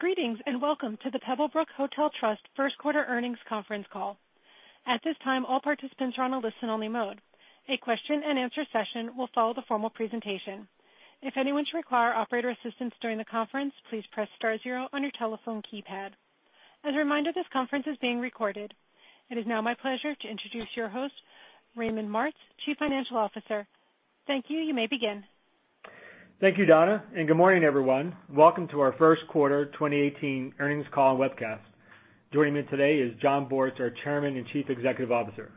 Greetings, welcome to the Pebblebrook Hotel Trust first quarter earnings conference call. At this time, all participants are on a listen-only mode. A question and answer session will follow the formal presentation. If anyone should require operator assistance during the conference, please press star zero on your telephone keypad. As a reminder, this conference is being recorded. It is now my pleasure to introduce your host, Raymond Martz, Chief Financial Officer. Thank you. You may begin. Thank you, Donna, good morning, everyone. Welcome to our first quarter 2018 earnings call and webcast. Joining me today is Jon Bortz, our Chairman and Chief Executive Officer.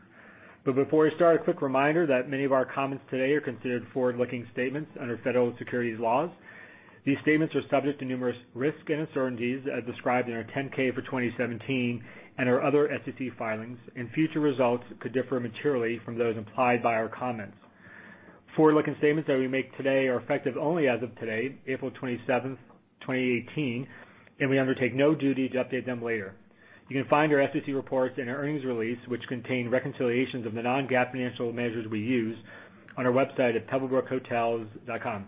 Before we start, a quick reminder that many of our comments today are considered forward-looking statements under federal securities laws. These statements are subject to numerous risks and uncertainties as described in our 10-K for 2017 and our other SEC filings, future results could differ materially from those implied by our comments. Forward-looking statements that we make today are effective only as of today, April 27, 2018, we undertake no duty to update them later. You can find our SEC reports and our earnings release, which contain reconciliations of the non-GAAP financial measures we use on our website at pebblebrookhotels.com.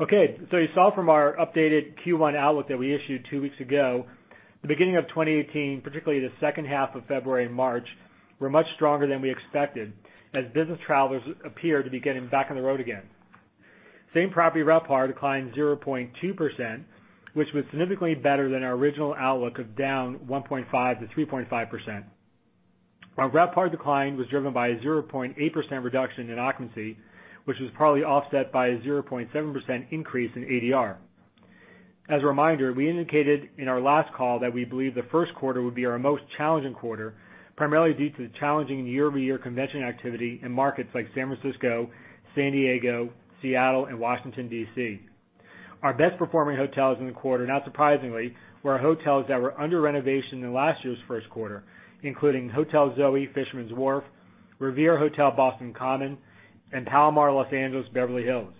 You saw from our updated Q1 outlook that we issued two weeks ago, the beginning of 2018, particularly the second half of February and March, were much stronger than we expected as business travelers appear to be getting back on the road again. Same property RevPAR declined 0.2%, which was significantly better than our original outlook of down 1.5%-3.5%. Our RevPAR decline was driven by a 0.8% reduction in occupancy, which was partly offset by a 0.7% increase in ADR. As a reminder, we indicated in our last call that we believe the first quarter would be our most challenging quarter, primarily due to the challenging year-over-year convention activity in markets like San Francisco, San Diego, Seattle and Washington, D.C. Our best performing hotels in the quarter, not surprisingly, were our hotels that were under renovation in last year's first quarter, including Hotel Zoe Fisherman's Wharf, Revere Hotel Boston Common, and Palomar Los Angeles Beverly Hills.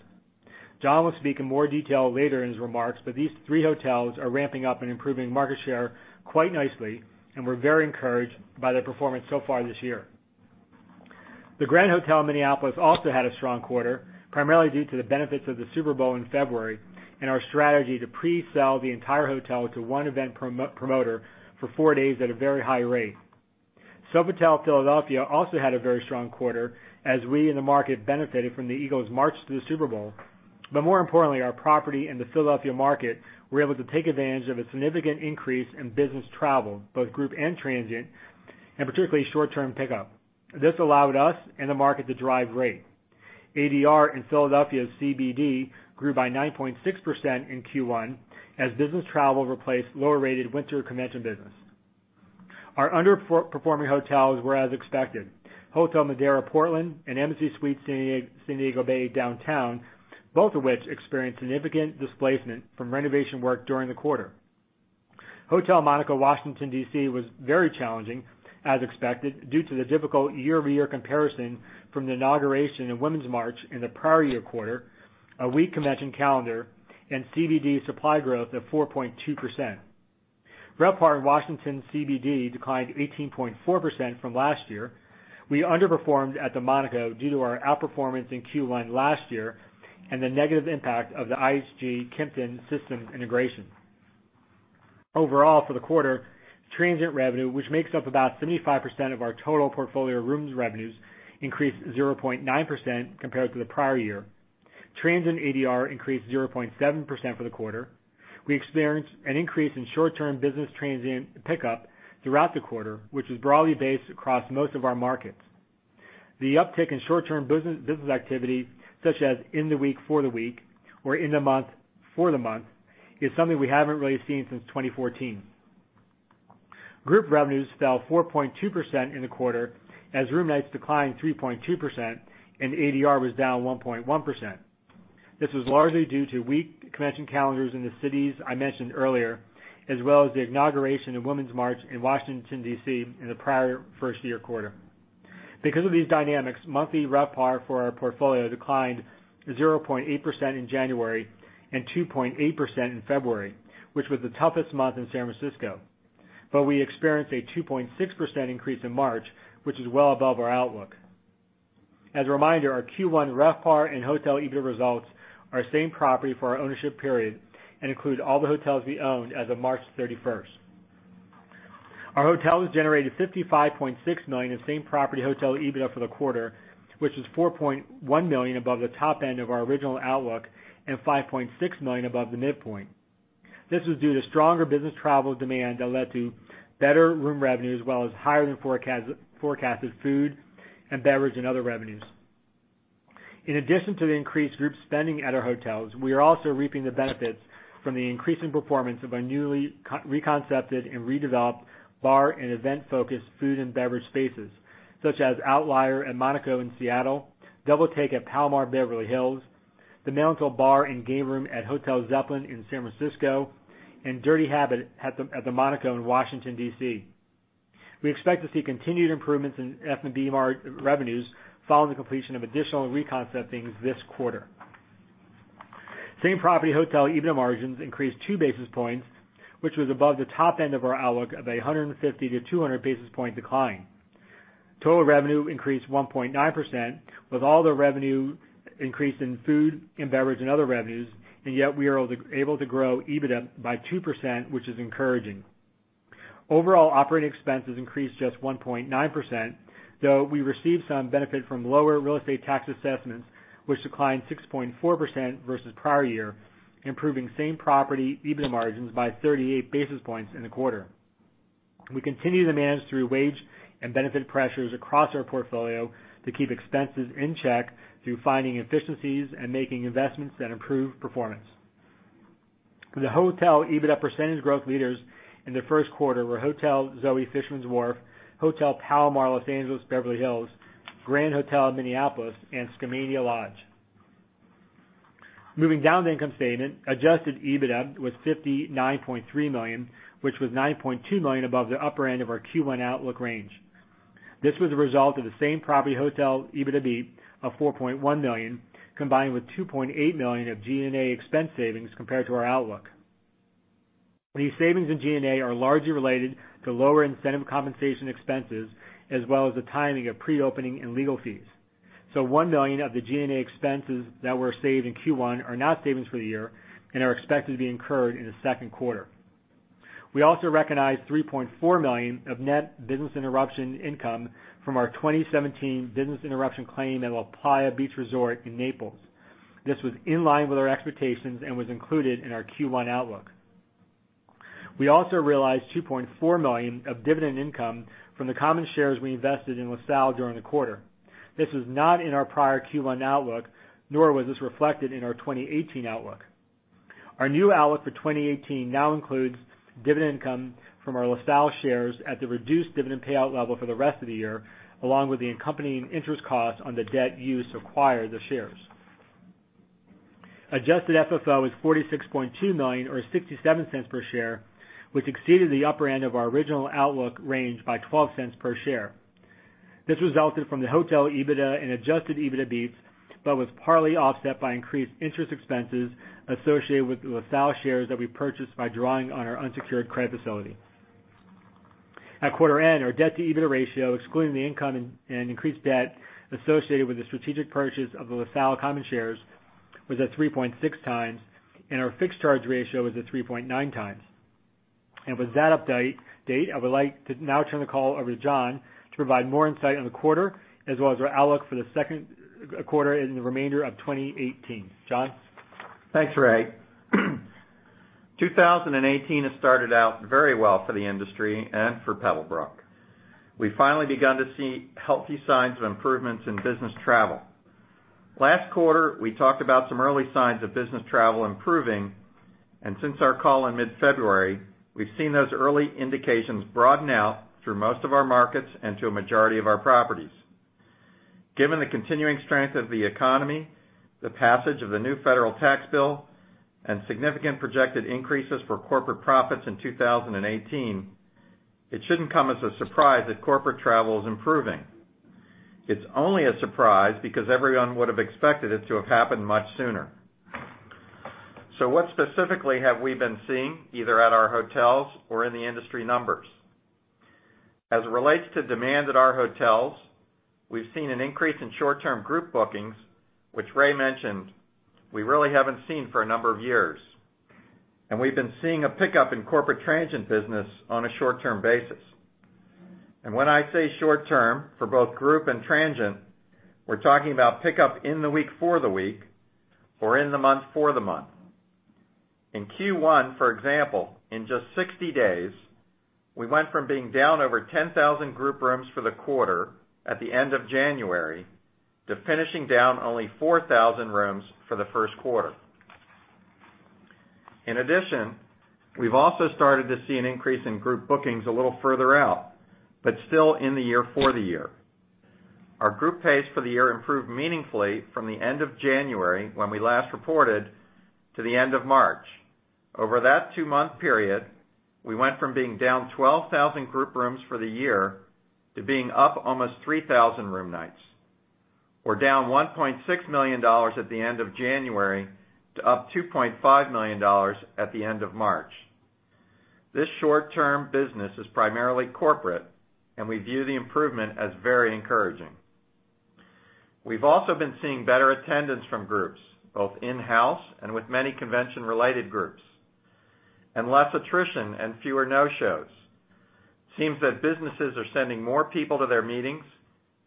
Jon will speak in more detail later in his remarks, these three hotels are ramping up and improving market share quite nicely, we're very encouraged by their performance so far this year. The Grand Hotel Minneapolis also had a strong quarter, primarily due to the benefits of the Super Bowl in February and our strategy to pre-sell the entire hotel to one event promoter for four days at a very high rate. Sofitel Philadelphia also had a very strong quarter, as we in the market benefited from the Eagles march to the Super Bowl. More importantly, our property and the Philadelphia market were able to take advantage of a significant increase in business travel, both group and transient, and particularly short-term pickup. This allowed us and the market to drive rate. ADR in Philadelphia CBD grew by 9.6% in Q1 as business travel replaced lower-rated winter convention business. Our underperforming hotels were as expected, Hotel Modera Portland and Embassy Suites San Diego Bay Downtown, both of which experienced significant displacement from renovation work during the quarter. Hotel Monaco Washington, D.C., was very challenging as expected, due to the difficult year-over-year comparison from the inauguration and Women's March in the prior year quarter, a weak convention calendar, and CBD supply growth of 4.2%. RevPAR in Washington CBD declined 18.4% from last year. We underperformed at the Monaco due to our outperformance in Q1 last year and the negative impact of the IHG Kimpton systems integration. Overall, for the quarter, transient revenue, which makes up about 75% of our total portfolio rooms revenues, increased 0.9% compared to the prior year. Transient ADR increased 0.7% for the quarter. We experienced an increase in short-term business transient pickup throughout the quarter, which was broadly based across most of our markets. The uptick in short-term business activity, such as in the week for the week or in the month for the month, is something we haven't really seen since 2014. Group revenues fell 4.2% in the quarter as room nights declined 3.2% and ADR was down 1.1%. This was largely due to weak convention calendars in the cities I mentioned earlier, as well as the inauguration of Women's March in Washington, D.C., in the prior first-year quarter. Because of these dynamics, monthly RevPAR for our portfolio declined 0.8% in January and 2.8% in February, which was the toughest month in San Francisco. We experienced a 2.6% increase in March, which is well above our outlook. As a reminder, our Q1 RevPAR and hotel EBITDA results are same property for our ownership period and include all the hotels we owned as of March 31st. Our hotels generated $55.6 million in same-property hotel EBITDA for the quarter, which is $4.1 million above the top end of our original outlook and $5.6 million above the midpoint. This was due to stronger business travel demand that led to better room revenue, as well as higher-than-forecasted food and beverage and other revenues. In addition to the increased group spending at our hotels, we are also reaping the benefits from the increasing performance of our newly reconcepted and redeveloped bar and event-focused food and beverage spaces, such as Outlier and Monaco in Seattle, Double Take at Palomar Beverly Hills, The Mantel Bar and Game Room at Hotel Zeppelin in San Francisco, and Dirty Habit at the Monaco in Washington, D.C. We expect to see continued improvements in F&B revenues following the completion of additional reconceptings this quarter. Same-property hotel EBITDA margins increased two basis points, which was above the top end of our outlook of a 150-200 basis point decline. Total revenue increased 1.9%, with all the revenue increase in food and beverage and other revenues, yet we are able to grow EBITDA by 2%, which is encouraging. Overall operating expenses increased just 1.9%, though we received some benefit from lower real estate tax assessments, which declined 6.4% versus prior year, improving same property EBITDA margins by 38 basis points in the quarter. We continue to manage through wage and benefit pressures across our portfolio to keep expenses in check through finding efficiencies and making investments that improve performance. The hotel EBITDA percentage growth leaders in the first quarter were Hotel Zoe Fisherman's Wharf, Hotel Palomar Los Angeles Beverly Hills, Grand Hotel Minneapolis, and Skamania Lodge. Moving down the income statement, adjusted EBITDA was $59.3 million, which was $9.2 million above the upper end of our Q1 outlook range. This was a result of the same property hotel EBITDA beat of $4.1 million, combined with $2.8 million of G&A expense savings compared to our outlook. These savings in G&A are largely related to lower incentive compensation expenses, as well as the timing of pre-opening and legal fees. $1 million of the G&A expenses that were saved in Q1 are not savings for the year and are expected to be incurred in the second quarter. We also recognized $3.4 million of net business interruption income from our 2017 business interruption claim at LaPlaya Beach Resort in Naples. This was in line with our expectations and was included in our Q1 outlook. We also realized $2.4 million of dividend income from the common shares we invested in LaSalle during the quarter. This was not in our prior Q1 outlook, nor was this reflected in our 2018 outlook. Our new outlook for 2018 now includes dividend income from our LaSalle shares at the reduced dividend payout level for the rest of the year, along with the accompanying interest cost on the debt used to acquire the shares. Adjusted FFO was $46.2 million, or $0.67 per share, which exceeded the upper end of our original outlook range by $0.12 per share. This resulted from the hotel EBITDA and adjusted EBITDA beats, was partly offset by increased interest expenses associated with LaSalle shares that we purchased by drawing on our unsecured credit facility. At quarter end, our debt-to-EBITDA ratio, excluding the income and increased debt associated with the strategic purchase of the LaSalle common shares, was at 3.6 times, and our fixed charge ratio was at 3.9 times. With that update, I would like to now turn the call over to Jon to provide more insight on the quarter, as well as our outlook for the second quarter and the remainder of 2018. Jon? Thanks, Ray. 2018 has started out very well for the industry and for Pebblebrook. We've finally begun to see healthy signs of improvements in business travel. Last quarter, we talked about some early signs of business travel improving, and since our call in mid-February, we've seen those early indications broaden out through most of our markets and to a majority of our properties. Given the continuing strength of the economy, the passage of the new federal tax bill, and significant projected increases for corporate profits in 2018, it shouldn't come as a surprise that corporate travel is improving. It's only a surprise because everyone would have expected it to have happened much sooner. What specifically have we been seeing, either at our hotels or in the industry numbers? As it relates to demand at our hotels, we've seen an increase in short-term group bookings, which Ray mentioned we really haven't seen for a number of years. We've been seeing a pickup in corporate transient business on a short-term basis. When I say short-term, for both group and transient, we're talking about pickup in the week for the week or in the month for the month. In Q1, for example, in just 60 days, we went from being down over 10,000 group rooms for the quarter at the end of January, to finishing down only 4,000 rooms for the first quarter. In addition, we've also started to see an increase in group bookings a little further out, but still in the year for the year. Our group pace for the year improved meaningfully from the end of January, when we last reported, to the end of March. Over that two-month period, we went from being down 12,000 group rooms for the year to being up almost 3,000 room nights. We're down $1.6 million at the end of January to up $2.5 million at the end of March. This short-term business is primarily corporate, and we view the improvement as very encouraging. We've also been seeing better attendance from groups, both in-house and with many convention-related groups, and less attrition and fewer no-shows. Seems that businesses are sending more people to their meetings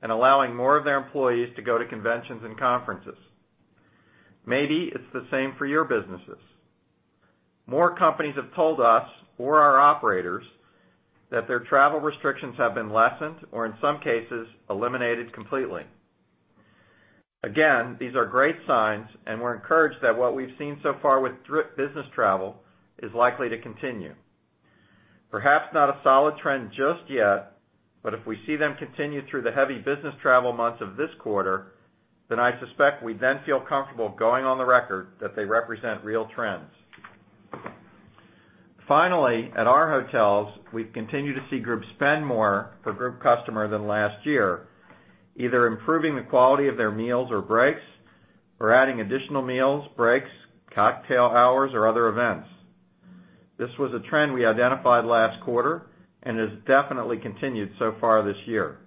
and allowing more of their employees to go to conventions and conferences. Maybe it's the same for your businesses. More companies have told us or our operators that their travel restrictions have been lessened, or in some cases, eliminated completely. Again, these are great signs, and we're encouraged that what we've seen so far with business travel is likely to continue. Perhaps not a solid trend just yet, if we see them continue through the heavy business travel months of this quarter, I suspect we'd then feel comfortable going on the record that they represent real trends. Finally, at our hotels, we continue to see groups spend more per group customer than last year, either improving the quality of their meals or breaks, or adding additional meals, breaks, cocktail hours, or other events. This was a trend we identified last quarter and has definitely continued so far this year.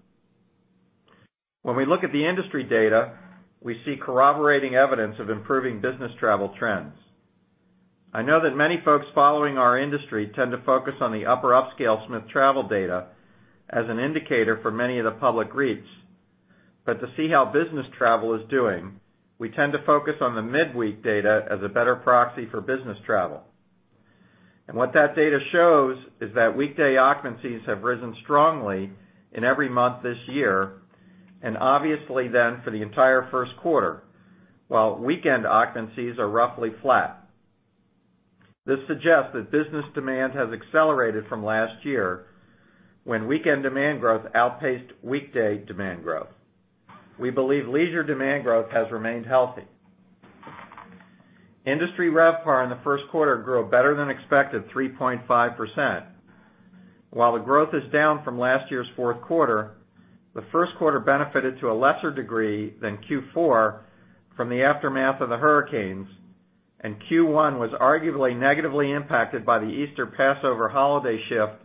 When we look at the industry data, we see corroborating evidence of improving business travel trends. I know that many folks following our industry tend to focus on the upper upscale Smith Travel data as an indicator for many of the public reads. To see how business travel is doing, we tend to focus on the midweek data as a better proxy for business travel. What that data shows is that weekday occupancies have risen strongly in every month this year, obviously for the entire first quarter, while weekend occupancies are roughly flat. This suggests that business demand has accelerated from last year, when weekend demand growth outpaced weekday demand growth. We believe leisure demand growth has remained healthy. Industry RevPAR in the first quarter grew better than expected 3.5%. While the growth is down from last year's fourth quarter, the first quarter benefited to a lesser degree than Q4 from the aftermath of the hurricanes, and Q1 was arguably negatively impacted by the Easter Passover holiday shift,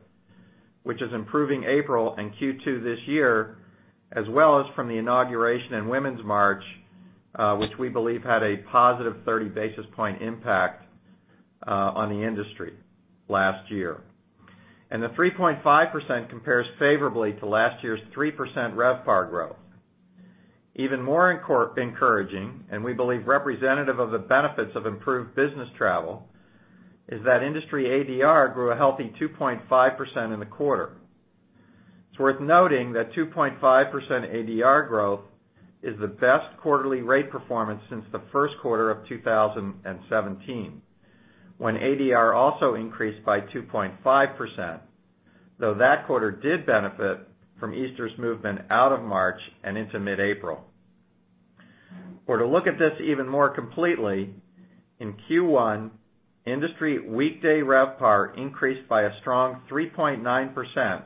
which is improving April and Q2 this year, as well as from the inauguration and Women's March, which we believe had a positive 30 basis points impact on the industry last year. The 3.5% compares favorably to last year's 3% RevPAR growth. Even more encouraging, and we believe representative of the benefits of improved business travel, is that industry ADR grew a healthy 2.5% in the quarter. It's worth noting that 2.5% ADR growth is the best quarterly rate performance since the first quarter of 2017, when ADR also increased by 2.5%, though that quarter did benefit from Easter's movement out of March and into mid-April. To look at this even more completely, in Q1, industry weekday RevPAR increased by a strong 3.9%,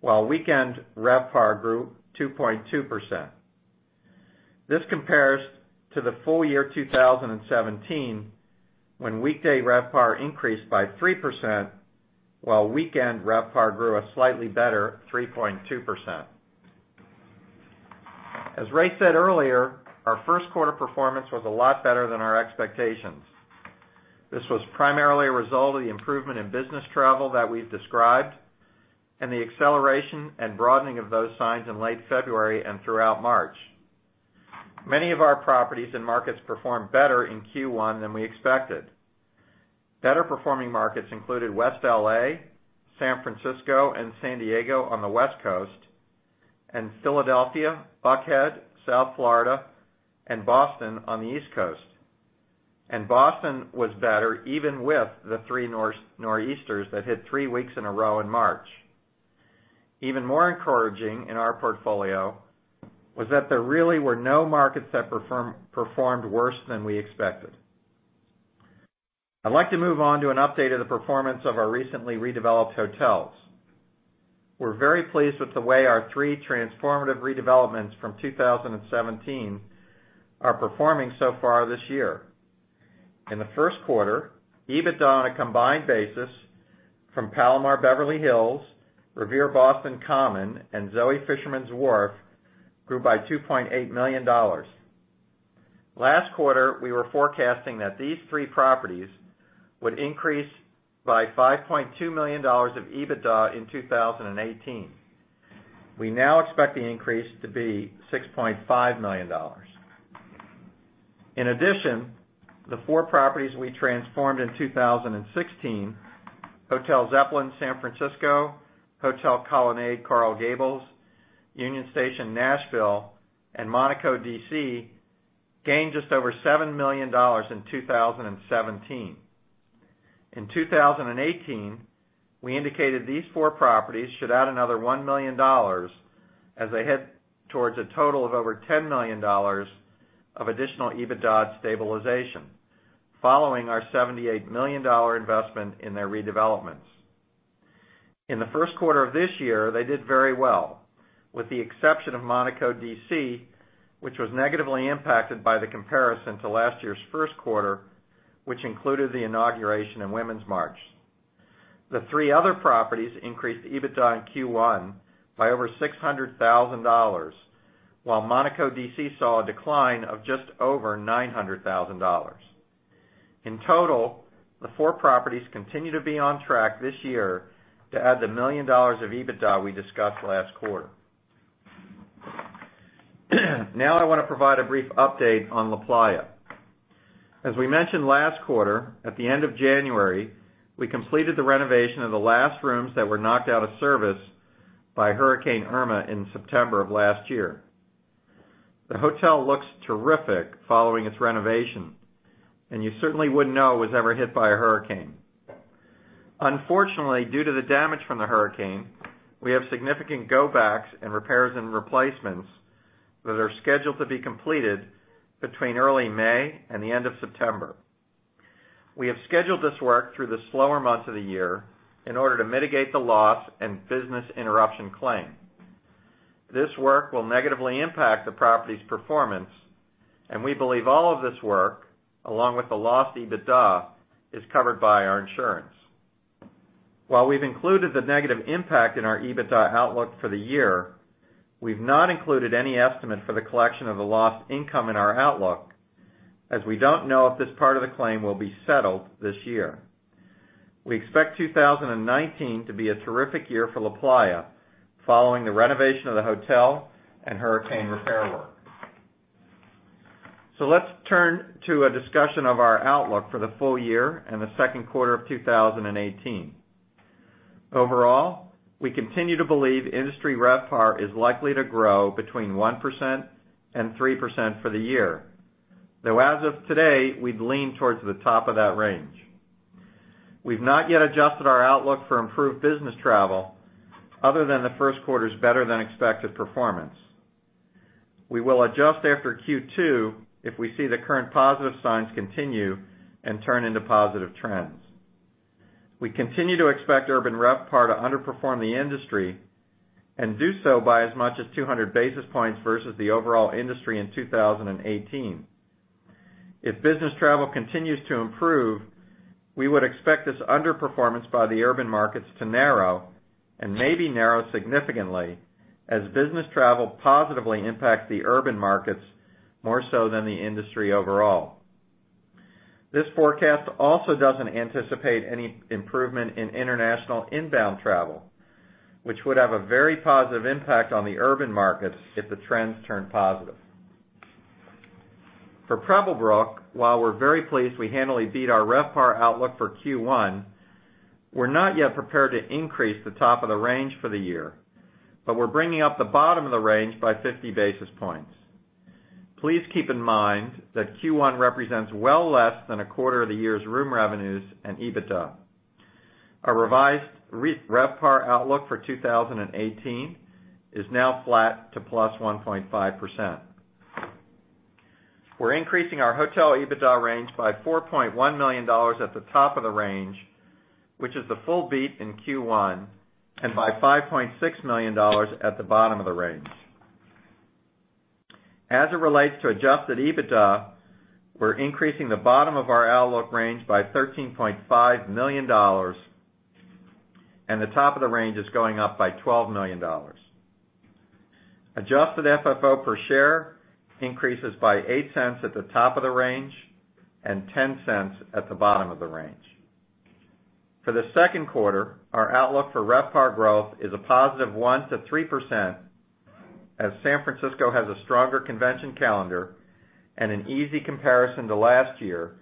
while weekend RevPAR grew 2.2%. This compares to the full year 2017, when weekday RevPAR increased by 3%, while weekend RevPAR grew a slightly better 3.2%. As Ray said earlier, our first quarter performance was a lot better than our expectations. This was primarily a result of the improvement in business travel that we've described and the acceleration and broadening of those signs in late February and throughout March. Many of our properties and markets performed better in Q1 than we expected. Better-performing markets included West L.A., San Francisco, and San Diego on the West Coast, Philadelphia, Buckhead, South Florida, and Boston on the East Coast. Boston was better even with the three Nor'easters that hit three weeks in a row in March. Even more encouraging in our portfolio was that there really were no markets that performed worse than we expected. I'd like to move on to an update of the performance of our recently redeveloped hotels. We're very pleased with the way our three transformative redevelopments from 2017 are performing so far this year. In the first quarter, EBITDA on a combined basis from Palomar Beverly Hills, Revere Boston Common, and Zoe Fisherman's Wharf grew by $2.8 million. Last quarter, we were forecasting that these three properties would increase by $5.2 million of EBITDA in 2018. We now expect the increase to be $6.5 million. In addition, the four properties we transformed in 2016, Hotel Zeppelin San Francisco, Hotel Colonnade Coral Gables, Union Station Nashville, and Monaco D.C., gained just over $7 million in 2017. In 2018, we indicated these four properties should add another $1 million as they head towards a total of over $10 million of additional EBITDA stabilization following our $78 million investment in their redevelopments. In the first quarter of this year, they did very well, with the exception of Monaco D.C., which was negatively impacted by the comparison to last year's first quarter, which included the inauguration and Women's March. The three other properties increased EBITDA in Q1 by over $600,000, while Monaco D.C. saw a decline of just over $900,000. In total, the four properties continue to be on track this year to add the $1 million of EBITDA we discussed last quarter. I want to provide a brief update on LaPlaya. As we mentioned last quarter, at the end of January, we completed the renovation of the last rooms that were knocked out of service by Hurricane Irma in September of last year. The hotel looks terrific following its renovation, and you certainly wouldn't know it was ever hit by a hurricane. Unfortunately, due to the damage from the hurricane, we have significant go backs and repairs and replacements that are scheduled to be completed between early May and the end of September. We have scheduled this work through the slower months of the year in order to mitigate the loss and business interruption claim. This work will negatively impact the property's performance, and we believe all of this work, along with the lost EBITDA, is covered by our insurance. While we've included the negative impact in our EBITDA outlook for the year, we've not included any estimate for the collection of the lost income in our outlook, as we don't know if this part of the claim will be settled this year. We expect 2019 to be a terrific year for LaPlaya, following the renovation of the hotel and hurricane repair work. Let's turn to a discussion of our outlook for the full year and the second quarter of 2018. Overall, we continue to believe industry RevPAR is likely to grow between 1% and 3% for the year. Though as of today, we'd lean towards the top of that range. We've not yet adjusted our outlook for improved business travel other than the first quarter's better-than-expected performance. We will adjust after Q2 if we see the current positive signs continue and turn into positive trends. We continue to expect urban RevPAR to underperform the industry and do so by as much as 200 basis points versus the overall industry in 2018. If business travel continues to improve, we would expect this underperformance by the urban markets to narrow and maybe narrow significantly as business travel positively impacts the urban markets more so than the industry overall. This forecast also doesn't anticipate any improvement in international inbound travel, which would have a very positive impact on the urban markets if the trends turn positive. For Pebblebrook, while we're very pleased we handily beat our RevPAR outlook for Q1, we're not yet prepared to increase the top of the range for the year, but we're bringing up the bottom of the range by 50 basis points. Please keep in mind that Q1 represents well less than a quarter of the year's room revenues and EBITDA. Our revised RevPAR outlook for 2018 is now flat to +1.5%. We're increasing our hotel EBITDA range by $4.1 million at the top of the range, which is the full beat in Q1, and by $5.6 million at the bottom of the range. As it relates to adjusted EBITDA, we're increasing the bottom of our outlook range by $13.5 million, and the top of the range is going up by $12 million. Adjusted FFO per share increases by $0.08 at the top of the range and $0.10 at the bottom of the range. For the second quarter, our outlook for RevPAR growth is a +1% to 3% as San Francisco has a stronger convention calendar and an easy comparison to last year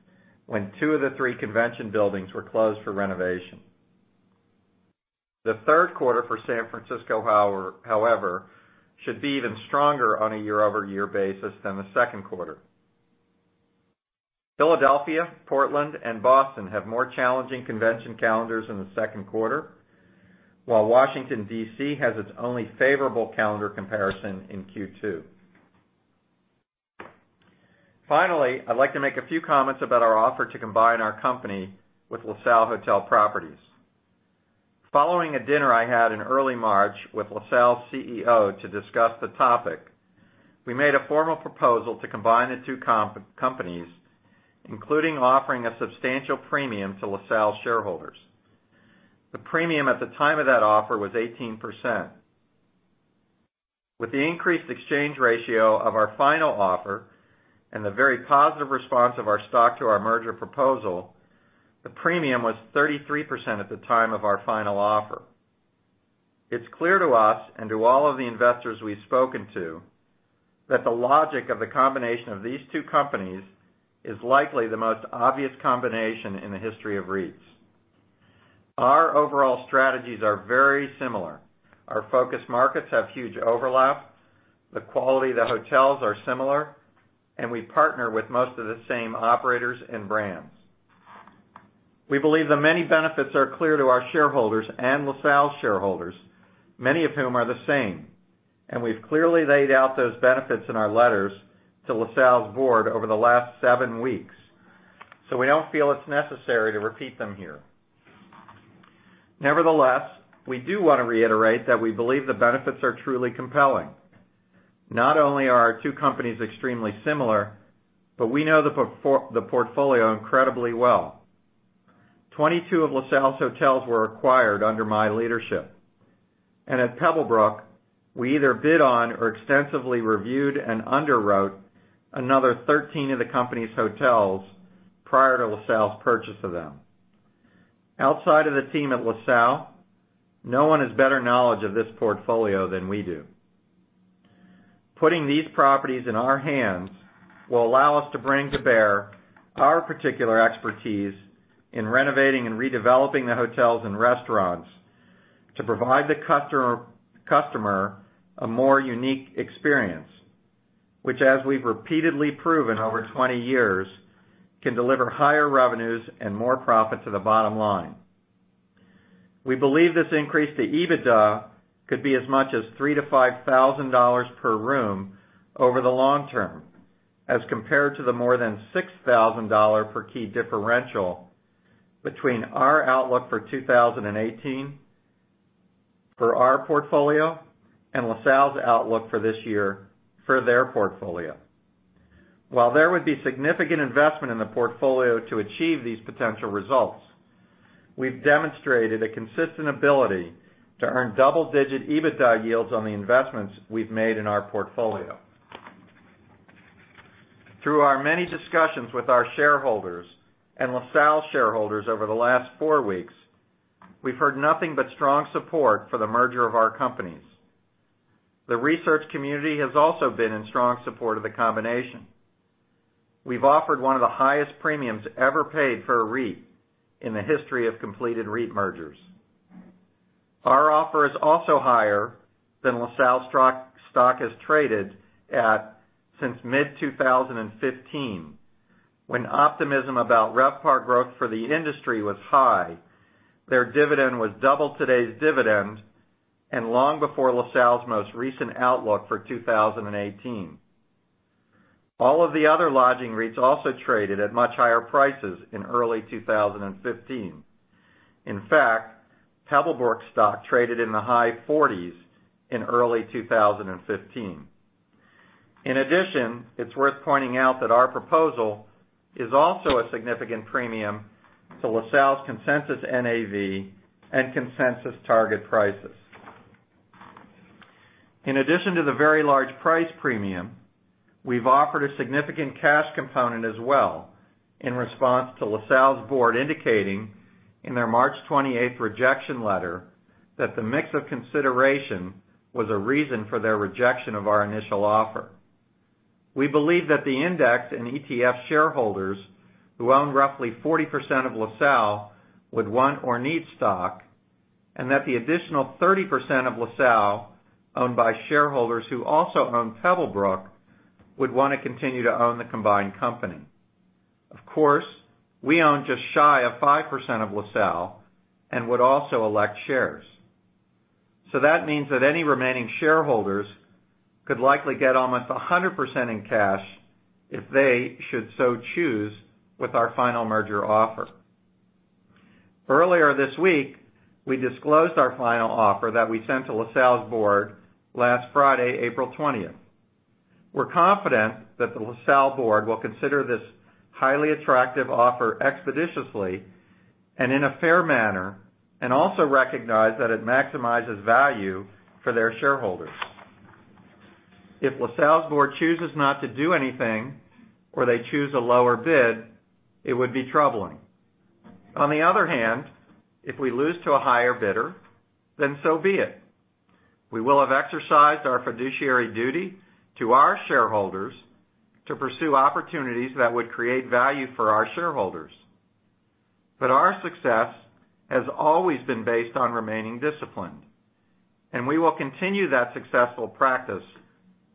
when two of the three convention buildings were closed for renovation. The third quarter for San Francisco, however, should be even stronger on a year-over-year basis than the second quarter. Philadelphia, Portland, and Boston have more challenging convention calendars in the second quarter, while Washington, D.C. has its only favorable calendar comparison in Q2. I'd like to make a few comments about our offer to combine our company with LaSalle Hotel Properties. Following a dinner I had in early March with LaSalle's CEO to discuss the topic, we made a formal proposal to combine the two companies, including offering a substantial premium to LaSalle shareholders. The premium at the time of that offer was 18%. With the increased exchange ratio of our final offer and the very positive response of our stock to our merger proposal, the premium was 33% at the time of our final offer. It's clear to us and to all of the investors we've spoken to that the logic of the combination of these two companies is likely the most obvious combination in the history of REITs. Our overall strategies are very similar. Our focus markets have huge overlap, the quality of the hotels are similar, and we partner with most of the same operators and brands. We believe the many benefits are clear to our shareholders and LaSalle shareholders, many of whom are the same. We've clearly laid out those benefits in our letters to LaSalle's board over the last seven weeks. We don't feel it's necessary to repeat them here. We do want to reiterate that we believe the benefits are truly compelling. Not only are our two companies extremely similar, but we know the portfolio incredibly well. 22 of LaSalle's hotels were acquired under my leadership, and at Pebblebrook, we either bid on or extensively reviewed and underwrote another 13 of the company's hotels prior to LaSalle's purchase of them. Outside of the team at LaSalle, no one has better knowledge of this portfolio than we do. Putting these properties in our hands will allow us to bring to bear our particular expertise in renovating and redeveloping the hotels and restaurants to provide the customer a more unique experience, which as we've repeatedly proven over 20 years, can deliver higher revenues and more profit to the bottom line. We believe this increase to EBITDA could be as much as $3,000 to $5,000 per room over the long term as compared to the more than $6,000 per key differential between our outlook for 2018 for our portfolio and LaSalle's outlook for this year for their portfolio. While there would be significant investment in the portfolio to achieve these potential results, we've demonstrated a consistent ability to earn double-digit EBITDA yields on the investments we've made in our portfolio. Through our many discussions with our shareholders and LaSalle shareholders over the last 4 weeks, we've heard nothing but strong support for the merger of our companies. The research community has also been in strong support of the combination. We've offered one of the highest premiums ever paid for a REIT in the history of completed REIT mergers. Our offer is also higher than LaSalle stock has traded at since mid-2015, when optimism about RevPAR growth for the industry was high, their dividend was double today's dividend, and long before LaSalle's most recent outlook for 2018. All of the other lodging REITs also traded at much higher prices in early 2015. In fact, Pebblebrook stock traded in the high 40s in early 2015. In addition, it's worth pointing out that our proposal is also a significant premium to LaSalle's consensus NAV and consensus target prices. In addition to the very large price premium, we've offered a significant cash component as well in response to LaSalle's board indicating in their March 28th rejection letter that the mix of consideration was a reason for their rejection of our initial offer. We believe that the index and ETF shareholders who own roughly 40% of LaSalle would want or need stock, and that the additional 30% of LaSalle owned by shareholders who also own Pebblebrook would want to continue to own the combined company. Of course, we own just shy of 5% of LaSalle and would also elect shares. That means that any remaining shareholders could likely get almost 100% in cash if they should so choose with our final merger offer. Earlier this week, we disclosed our final offer that we sent to LaSalle's board last Friday, April 20th. We're confident that the LaSalle board will consider this highly attractive offer expeditiously and in a fair manner, and also recognize that it maximizes value for their shareholders. If LaSalle's board chooses not to do anything, or they choose a lower bid, it would be troubling. On the other hand, if we lose to a higher bidder, then so be it. We will have exercised our fiduciary duty to our shareholders to pursue opportunities that would create value for our shareholders. Our success has always been based on remaining disciplined, and we will continue that successful practice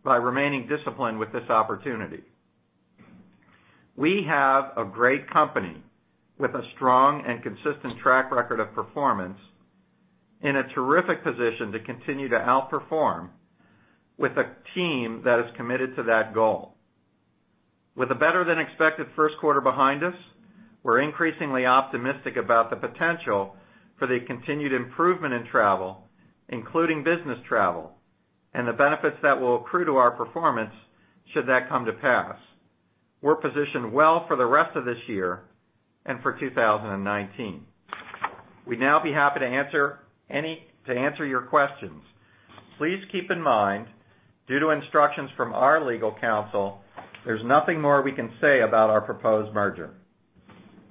by remaining disciplined with this opportunity. We have a great company with a strong and consistent track record of performance in a terrific position to continue to outperform with a team that is committed to that goal. With a better-than-expected first quarter behind us, we're increasingly optimistic about the potential for the continued improvement in travel, including business travel, and the benefits that will accrue to our performance should that come to pass. We're positioned well for the rest of this year and for 2019. We'd now be happy to answer your questions. Please keep in mind, due to instructions from our legal counsel, there's nothing more we can say about our proposed merger.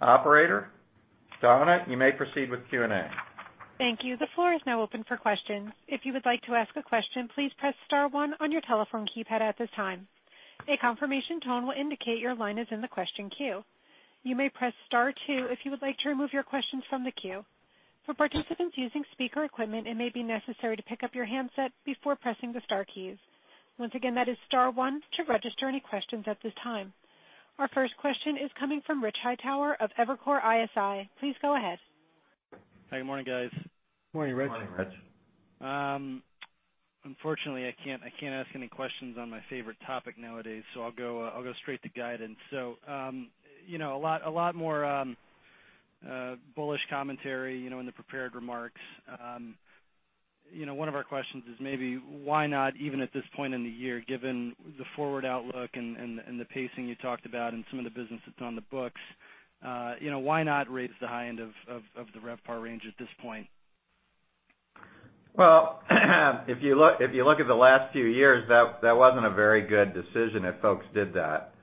Operator, Donna, you may proceed with Q&A. Thank you. The floor is now open for questions. If you would like to ask a question, please press star one on your telephone keypad at this time. A confirmation tone will indicate your line is in the question queue. You may press star two if you would like to remove your questions from the queue. For participants using speaker equipment, it may be necessary to pick up your handset before pressing the star keys. Once again, that is star one to register any questions at this time. Our first question is coming from Rich Hightower of Evercore ISI. Please go ahead. Hi, good morning, guys. Morning, Rich. Morning, Rich. Unfortunately, I can't ask any questions on my favorite topic nowadays, so I'll go straight to guidance. A lot more bullish commentary in the prepared remarks. One of our questions is maybe why not, even at this point in the year, given the forward outlook and the pacing you talked about and some of the business that's on the books, why not raise the high end of the RevPAR range at this point? If you look at the last few years, that wasn't a very good decision if folks did that.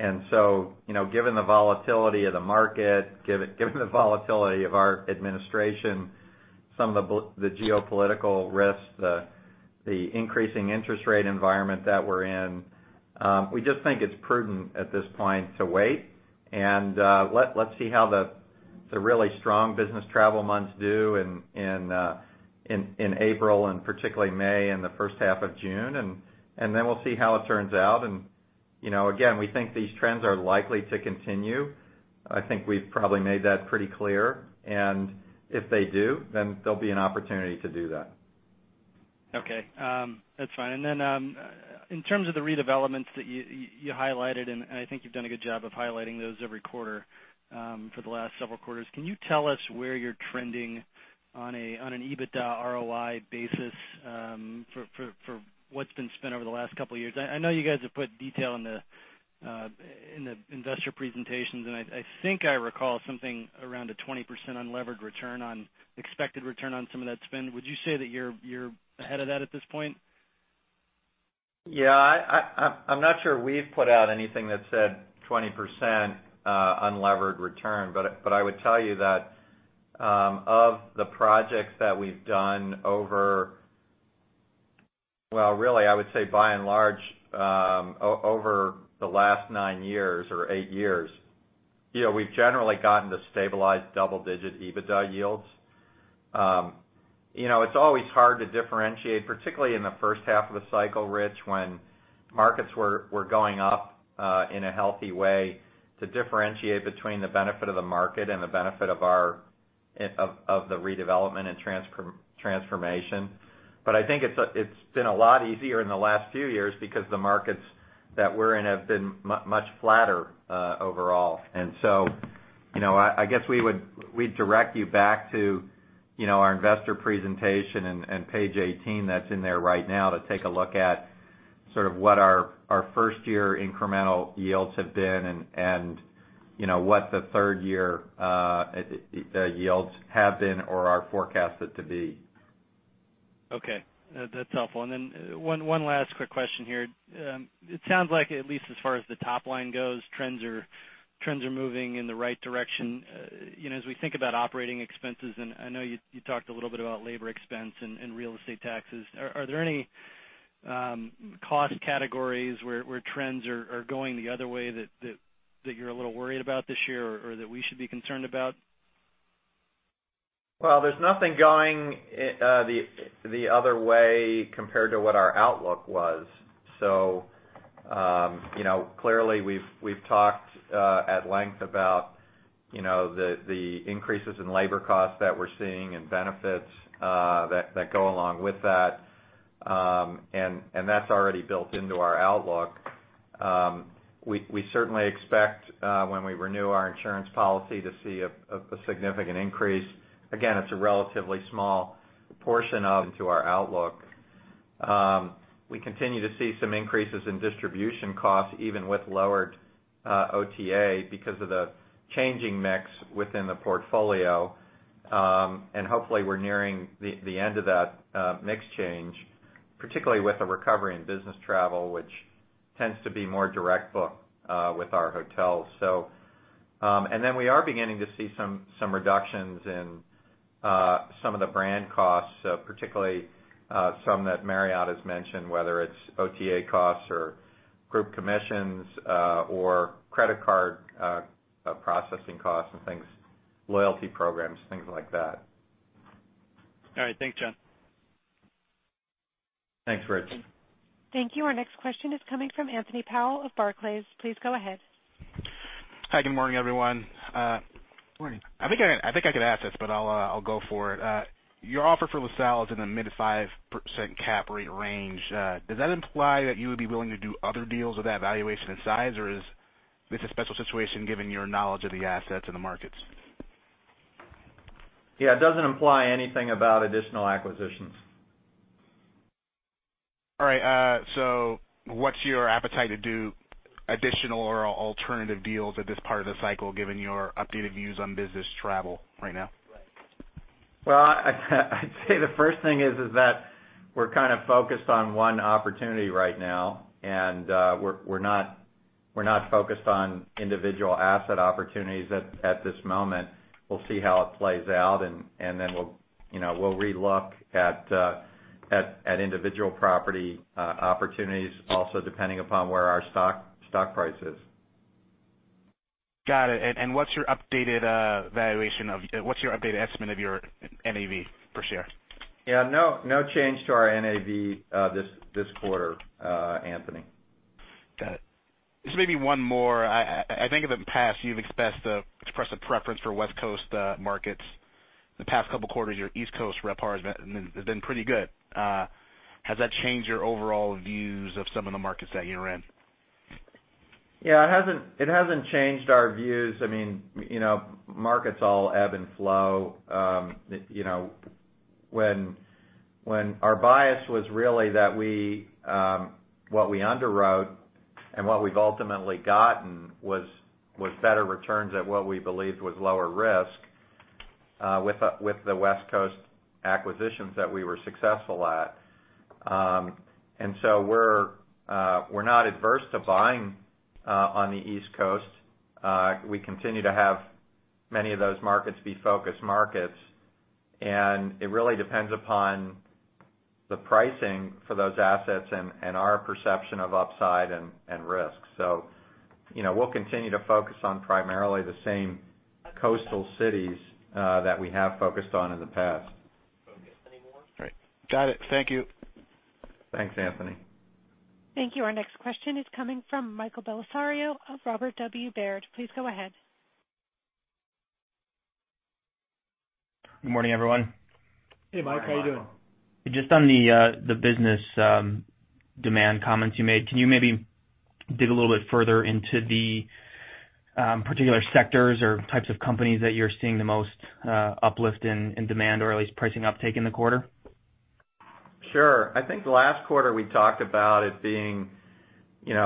Given the volatility of the market, given the volatility of our administration, some of the geopolitical risks, the increasing interest rate environment that we're in, we just think it's prudent at this point to wait and let's see how the really strong business travel months do in April and particularly May and the first half of June, then we'll see how it turns out. Again, we think these trends are likely to continue. I think we've probably made that pretty clear. If they do, then there'll be an opportunity to do that. Okay. That's fine. Then, in terms of the redevelopments that you highlighted, I think you've done a good job of highlighting those every quarter for the last several quarters, can you tell us where you're trending on an EBITDA ROI basis for what's been spent over the last couple of years? I know you guys have put detail in the investor presentations, I think I recall something around a 20% unlevered return on expected return on some of that spend. Would you say that you're ahead of that at this point? Yeah. I'm not sure we've put out anything that said 20% unlevered return, I would tell you that of the projects that we've done over, well, really, I would say by and large, over the last nine years or eight years, we've generally gotten to stabilized double-digit EBITDA yields. It's always hard to differentiate, particularly in the first half of the cycle, Rich, when markets were going up in a healthy way, to differentiate between the benefit of the market and the benefit of the redevelopment and transformation. I think it's been a lot easier in the last few years because the markets that we're in have been much flatter, overall. I guess we'd direct you back to our investor presentation and page 18 that's in there right now to take a look at sort of what our first-year incremental yields have been and what the third-year yields have been or are forecasted to be. That's helpful. One last quick question here. It sounds like at least as far as the top line goes, trends are moving in the right direction. As we think about operating expenses, I know you talked a little bit about labor expense and real estate taxes, are there any cost categories where trends are going the other way that you're a little worried about this year or that we should be concerned about? Well, there's nothing going the other way compared to what our outlook was. Clearly, we've talked at length about the increases in labor costs that we're seeing and benefits that go along with that. That's already built into our outlook. We certainly expect, when we renew our insurance policy, to see a significant increase. Again, it's a relatively small portion of our outlook. We continue to see some increases in distribution costs, even with lowered OTA, because of the changing mix within the portfolio. Hopefully, we're nearing the end of that mix change, particularly with the recovery in business travel, which tends to be more direct book with our hotels. We are beginning to see some reductions in some of the brand costs, particularly some that Marriott has mentioned, whether it's OTA costs or group commissions, or credit card processing costs and things, loyalty programs, things like that. All right. Thanks, Jon. Thanks, Rich. Thank you. Our next question is coming from Anthony Powell of Barclays. Please go ahead. Hi. Good morning, everyone. Morning. I think I could ask this, but I'll go for it. Your offer for LaSalle is in the mid five % cap rate range. Does that imply that you would be willing to do other deals of that valuation and size, or is this a special situation given your knowledge of the assets and the markets? Yeah, it doesn't imply anything about additional acquisitions. All right. What's your appetite to do additional or alternative deals at this part of the cycle, given your updated views on business travel right now? Well, I'd say the first thing is that we're kind of focused on one opportunity right now, and we're not focused on individual asset opportunities at this moment. We'll see how it plays out, and then we'll re-look at individual property opportunities also, depending upon where our stock price is. Got it. What's your updated estimate of your NAV per share? Yeah, no change to our NAV this quarter, Anthony. Got it. Just maybe one more. I think in the past, you've expressed a preference for West Coast markets. The past couple of quarters, your East Coast RevPAR has been pretty good. Has that changed your overall views of some of the markets that you're in? Yeah, it hasn't changed our views. Markets all ebb and flow. When our bias was really that what we underwrote and what we've ultimately gotten was better returns at what we believed was lower risk, with the West Coast acquisitions that we were successful at. We're not adverse to buying on the East Coast. We continue to have many of those markets be focus markets, and it really depends upon the pricing for those assets and our perception of upside and risk. We'll continue to focus on primarily the same coastal cities that we have focused on in the past. All right. Got it. Thank you. Thanks, Anthony. Thank you. Our next question is coming from Michael Bellisario of Robert W. Baird. Please go ahead. Good morning, everyone. Hey, Mike. How you doing? Just on the business demand comments you made, can you maybe dig a little bit further into the particular sectors or types of companies that you're seeing the most uplift in demand or at least pricing uptake in the quarter? Sure. I think the last quarter we talked about it. It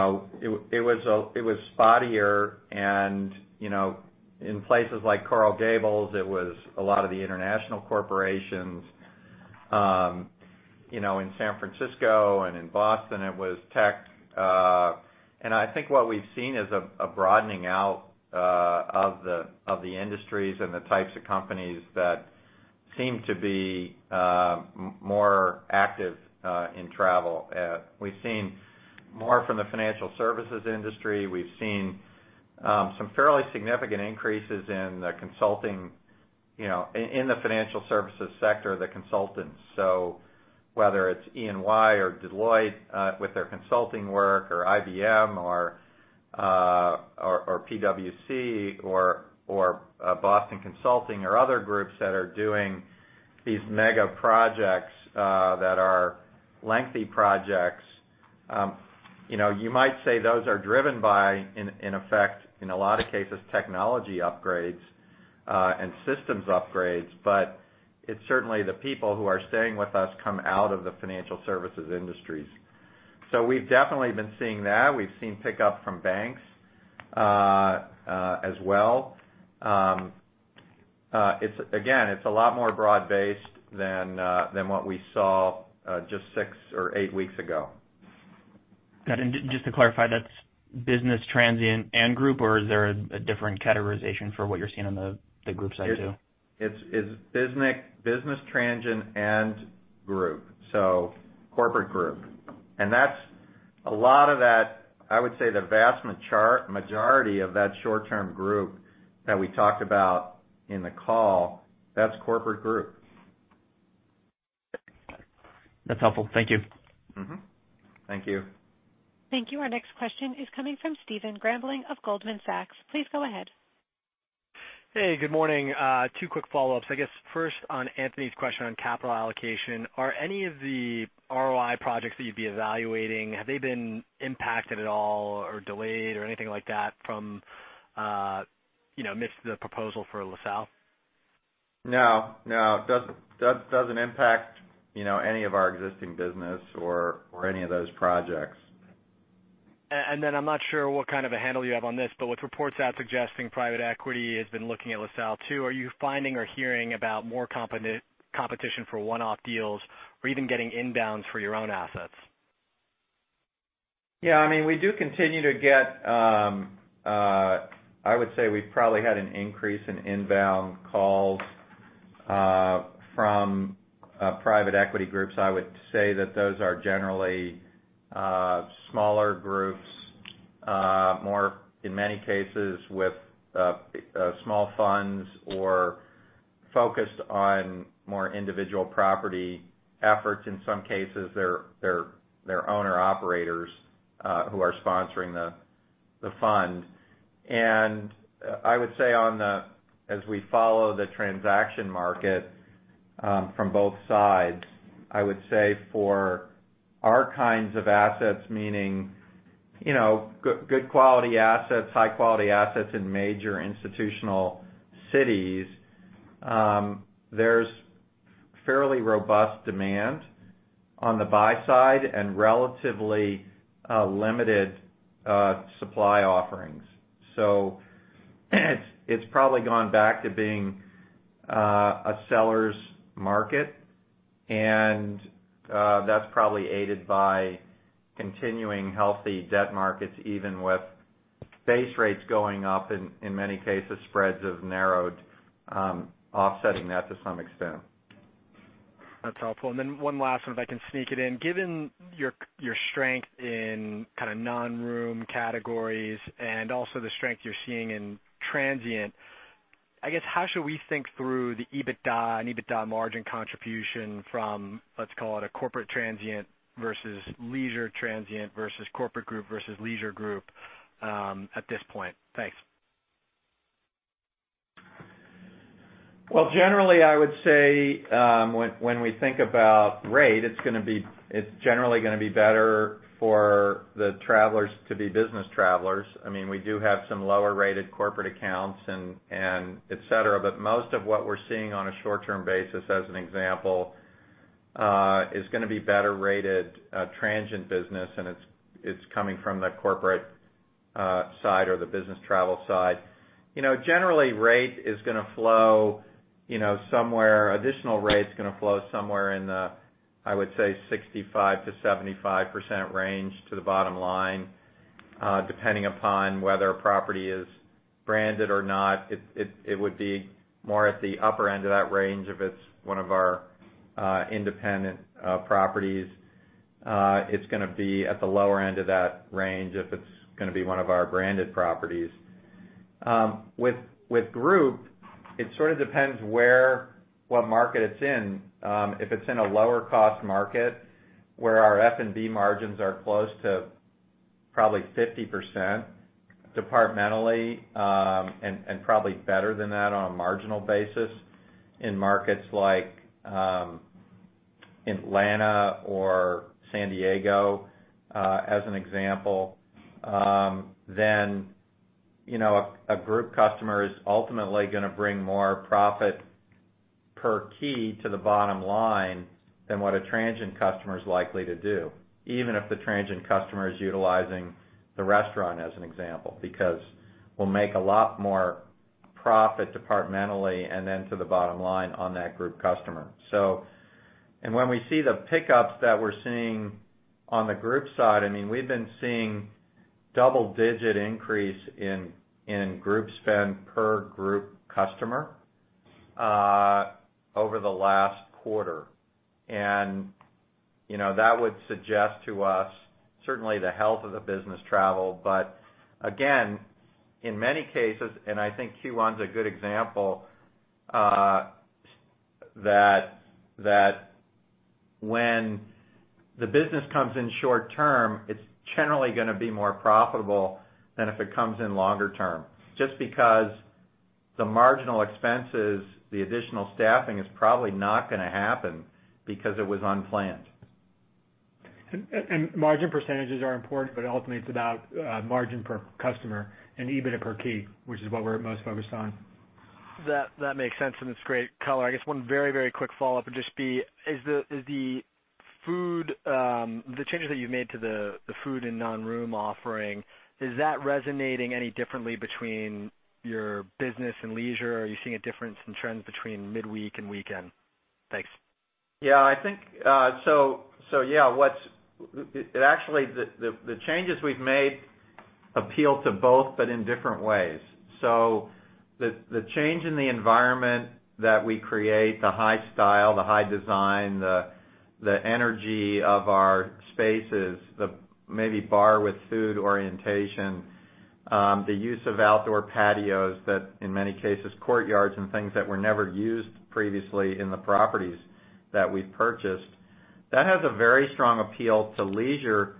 was spottier and in places like Coral Gables, it was a lot of the international corporations. In San Francisco and in Boston, it was tech. I think what we've seen is a broadening out of the industries and the types of companies that seem to be more active in travel. We've seen more from the financial services industry. We've seen some fairly significant increases in the financial services sector, the consultants. Whether it's E&Y or Deloitte with their consulting work, or IBM, or PwC, or Boston Consulting, or other groups that are doing these mega projects that are lengthy projects. You might say those are driven by, in effect, in a lot of cases, technology upgrades and systems upgrades, It's certainly the people who are staying with us come out of the financial services industries. We've definitely been seeing that. We've seen pickup from banks, as well. Again, it's a lot more broad-based than what we saw just six or eight weeks ago. Got it. Just to clarify, that's business transient and group, or is there a different categorization for what you're seeing on the group side too? It's business transient and group, so corporate group. A lot of that, I would say the vast majority of that short-term group that we talked about in the call, that's corporate group. That's helpful. Thank you. Thank you. Thank you. Our next question is coming from Stephen Grambling of Goldman Sachs. Please go ahead. Hey, good morning. Two quick follow-ups. I guess first on Anthony's question on capital allocation, are any of the ROI projects that you'd be evaluating, have they been impacted at all or delayed or anything like that from midst of the proposal for LaSalle? No. Doesn't impact any of our existing business or any of those projects. I'm not sure what kind of a handle you have on this, but with reports out suggesting private equity has been looking at LaSalle too, are you finding or hearing about more competition for one-off deals or even getting inbounds for your own assets? Yeah. We do continue to get, I would say we've probably had an increase in inbound calls from private equity groups. I would say that those are generally smaller groups, more, in many cases, with small funds or focused on more individual property efforts. In some cases, they're owner-operators who are sponsoring the fund. I would say as we follow the transaction market from both sides, I would say for our kinds of assets, meaning good quality assets, high quality assets in major institutional cities, there's fairly robust demand on the buy side and relatively limited supply offerings. It's probably gone back to being a seller's market, and that's probably aided by continuing healthy debt markets, even with base rates going up. In many cases, spreads have narrowed, offsetting that to some extent. That's helpful. One last one, if I can sneak it in. Given your strength in non-room categories and also the strength you're seeing in transient, I guess how should we think through the EBITDA and EBITDA margin contribution from, let's call it a corporate transient versus leisure transient versus corporate group versus leisure group at this point? Thanks. Well, generally, I would say, when we think about rate, it's generally going to be better for the travelers to be business travelers. We do have some lower-rated corporate accounts and et cetera, but most of what we're seeing on a short-term basis, as an example, is going to be better rated transient business, and it's coming from the corporate side or the business travel side. Generally, additional rate's going to flow somewhere in the, I would say, 65%-75% range to the bottom line, depending upon whether a property is branded or not. It would be more at the upper end of that range if it's one of our independent properties. It's going to be at the lower end of that range if it's going to be one of our branded properties. With group, it sort of depends what market it's in. If it's in a lower cost market where our F&B margins are close to 50% departmentally, and probably better than that on a marginal basis in markets like Atlanta or San Diego, as an example. A group customer is ultimately going to bring more profit per key to the bottom line than what a transient customer is likely to do, even if the transient customer is utilizing the restaurant, as an example. Because we'll make a lot more profit departmentally and then to the bottom line on that group customer. When we see the pickups that we're seeing on the group side, we've been seeing double-digit increase in group spend per group customer over the last quarter. That would suggest to us certainly the health of the business travel. Again, in many cases, and I think Q1's a good example, that when the business comes in short term, it's generally going to be more profitable than if it comes in longer term. Just because the marginal expenses, the additional staffing, is probably not going to happen because it was unplanned. Margin percentages are important, but ultimately it's about margin per customer and EBIT per key, which is what we're most focused on. That makes sense. It's great color. I guess one very quick follow-up would just be, is the changes that you've made to the food and non-room offering, is that resonating any differently between your business and leisure? Are you seeing a difference in trends between midweek and weekend? Thanks. Actually, the changes we've made appeal to both, but in different ways. The change in the environment that we create, the high style, the high design, the energy of our spaces, the maybe bar with food orientation, the use of outdoor patios that in many cases, courtyards and things that were never used previously in the properties that we've purchased, that has a very strong appeal to leisure.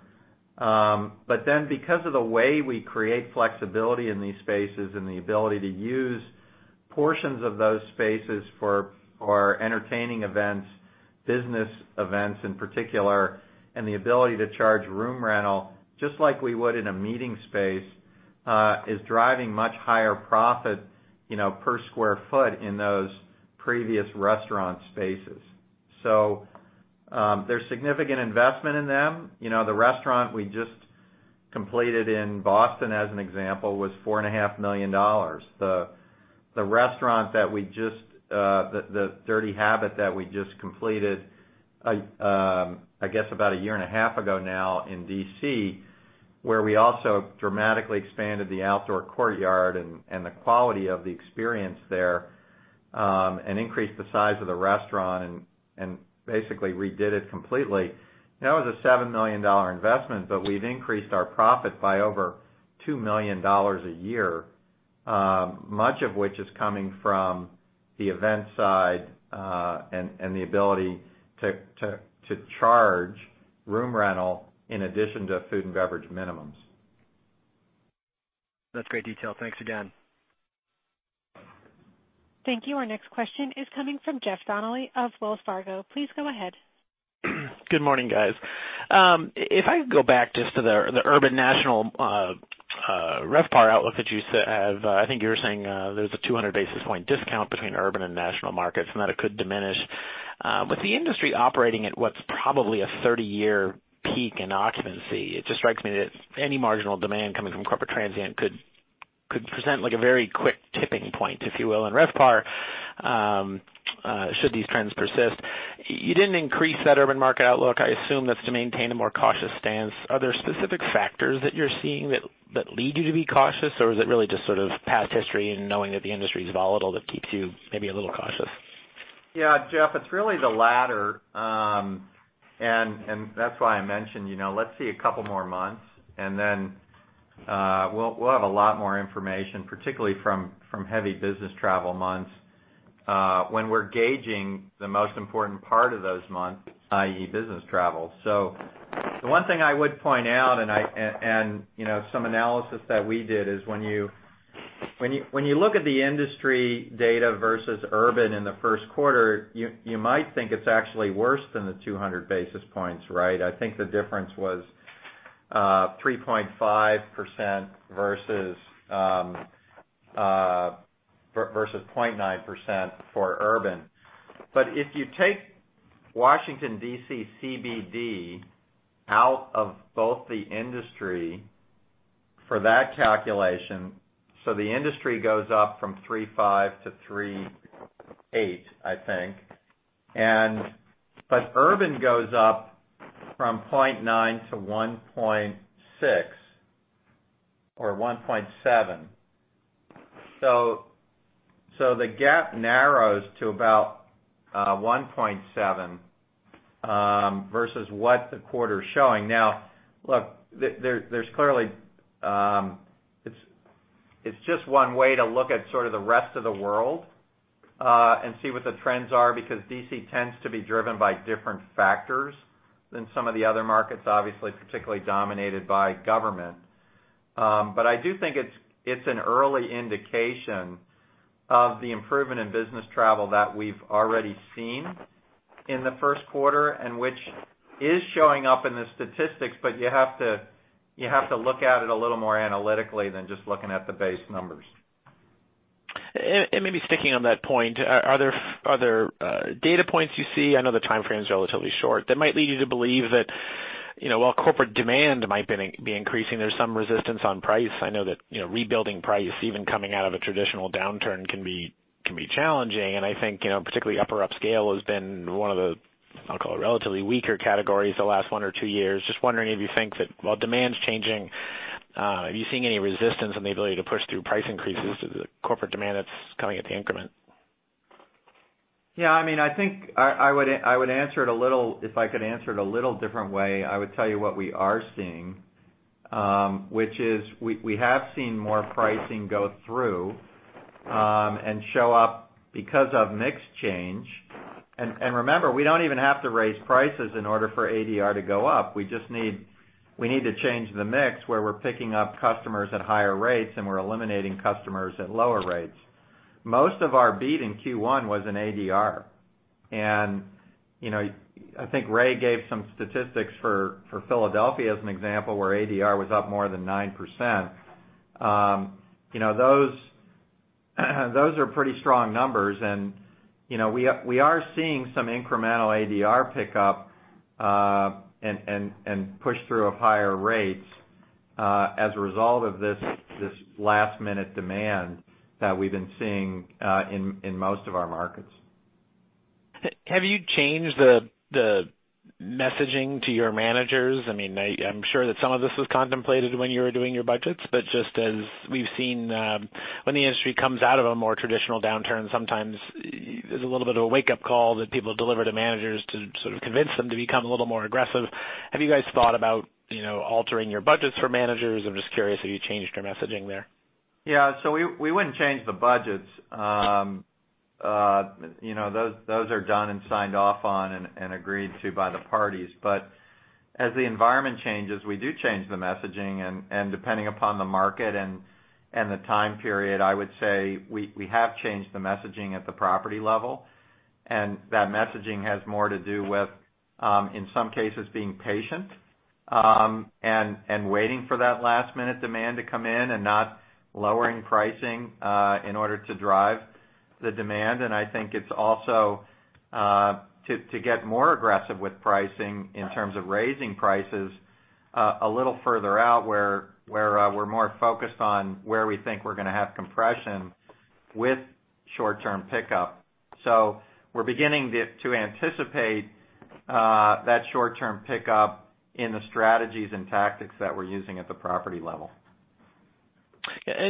Because of the way we create flexibility in these spaces and the ability to use portions of those spaces for entertaining events, business events in particular, and the ability to charge room rental, just like we would in a meeting space, is driving much higher profit per sq ft in those previous restaurant spaces. There's significant investment in them. The restaurant we just completed in Boston, as an example, was $4.5 million. The restaurant, The Dirty Habit, that we just completed, I guess, about a year and a half ago now in D.C., where we also dramatically expanded the outdoor courtyard and the quality of the experience there, increased the size of the restaurant and basically redid it completely. That was a $7 million investment, but we've increased our profit by over $2 million a year, much of which is coming from the event side, and the ability to charge room rental in addition to food and beverage minimums. That's great detail. Thanks again. Thank you. Our next question is coming from Jeff Donnelly of Wells Fargo. Please go ahead. Good morning, guys. If I could go back just to the urban national RevPAR outlook that you have, I think you were saying there's a 200 basis point discount between urban and national markets and that it could diminish. With the industry operating at what's probably a 30-year peak in occupancy, it just strikes me that any marginal demand coming from corporate transient could present a very quick tipping point, if you will, in RevPAR should these trends persist. You didn't increase that urban market outlook. I assume that's to maintain a more cautious stance. Are there specific factors that you're seeing that lead you to be cautious, or is it really just past history and knowing that the industry is volatile that keeps you maybe a little cautious? Yeah. Jeff, it's really the latter. That's why I mentioned, let's see a couple more months and then we'll have a lot more information, particularly from heavy business travel months, when we're gauging the most important part of those months, i.e., business travel. The one thing I would point out, and some analysis that we did is when you look at the industry data versus urban in the first quarter, you might think it's actually worse than the 200 basis points, right? I think the difference was 3.5% versus 0.9% for urban. If you take Washington, D.C. CBD out of both the industry for that calculation, the industry goes up from 3.5 to 3.8, I think, urban goes up from 0.9 to 1.6 or 1.7. The gap narrows to about 1.7, versus what the quarter's showing. Now, look, there's clearly, it's just one way to look at sort of the rest of the world, and see what the trends are, because D.C. tends to be driven by different factors than some of the other markets, obviously, particularly dominated by government. I do think it's an early indication of the improvement in business travel that we've already seen in the first quarter, which is showing up in the statistics, but you have to look at it a little more analytically than just looking at the base numbers. Maybe sticking on that point, are there other data points you see, I know the timeframe's relatively short, that might lead you to believe that, while corporate demand might be increasing, there's some resistance on price. I know that rebuilding price, even coming out of a traditional downturn, can be challenging, I think, particularly upper upscale has been one of the, I'll call it, relatively weaker categories the last one or two years. Just wondering if you think that while demand's changing, are you seeing any resistance on the ability to push through price increases with the corporate demand that's coming at the increment? I think if I could answer it a little different way, I would tell you what we are seeing, which is we have seen more pricing go through, show up because of mix change. Remember, we don't even have to raise prices in order for ADR to go up. We need to change the mix where we're picking up customers at higher rates and we're eliminating customers at lower rates. Most of our beat in Q1 was in ADR. I think Ray gave some statistics for Philadelphia as an example, where ADR was up more than 9%. Those are pretty strong numbers we are seeing some incremental ADR pickup, push-through of higher rates, as a result of this last-minute demand that we've been seeing in most of our markets. Have you changed the messaging to your managers? I'm sure that some of this was contemplated when you were doing your budgets, just as we've seen when the industry comes out of a more traditional downturn, sometimes there's a little bit of a wake-up call that people deliver to managers to sort of convince them to become a little more aggressive. Have you guys thought about altering your budgets for managers? I'm just curious if you changed your messaging there. We wouldn't change the budgets. Those are done and signed off on and agreed to by the parties. As the environment changes, we do change the messaging, and depending upon the market and the time period, I would say we have changed the messaging at the property level, and that messaging has more to do with, in some cases, being patient, and waiting for that last-minute demand to come in and not lowering pricing, in order to drive the demand. I think it's also to get more aggressive with pricing in terms of raising prices a little further out where we're more focused on where we think we're going to have compression with short-term pickup. We're beginning to anticipate that short-term pickup in the strategies and tactics that we're using at the property level.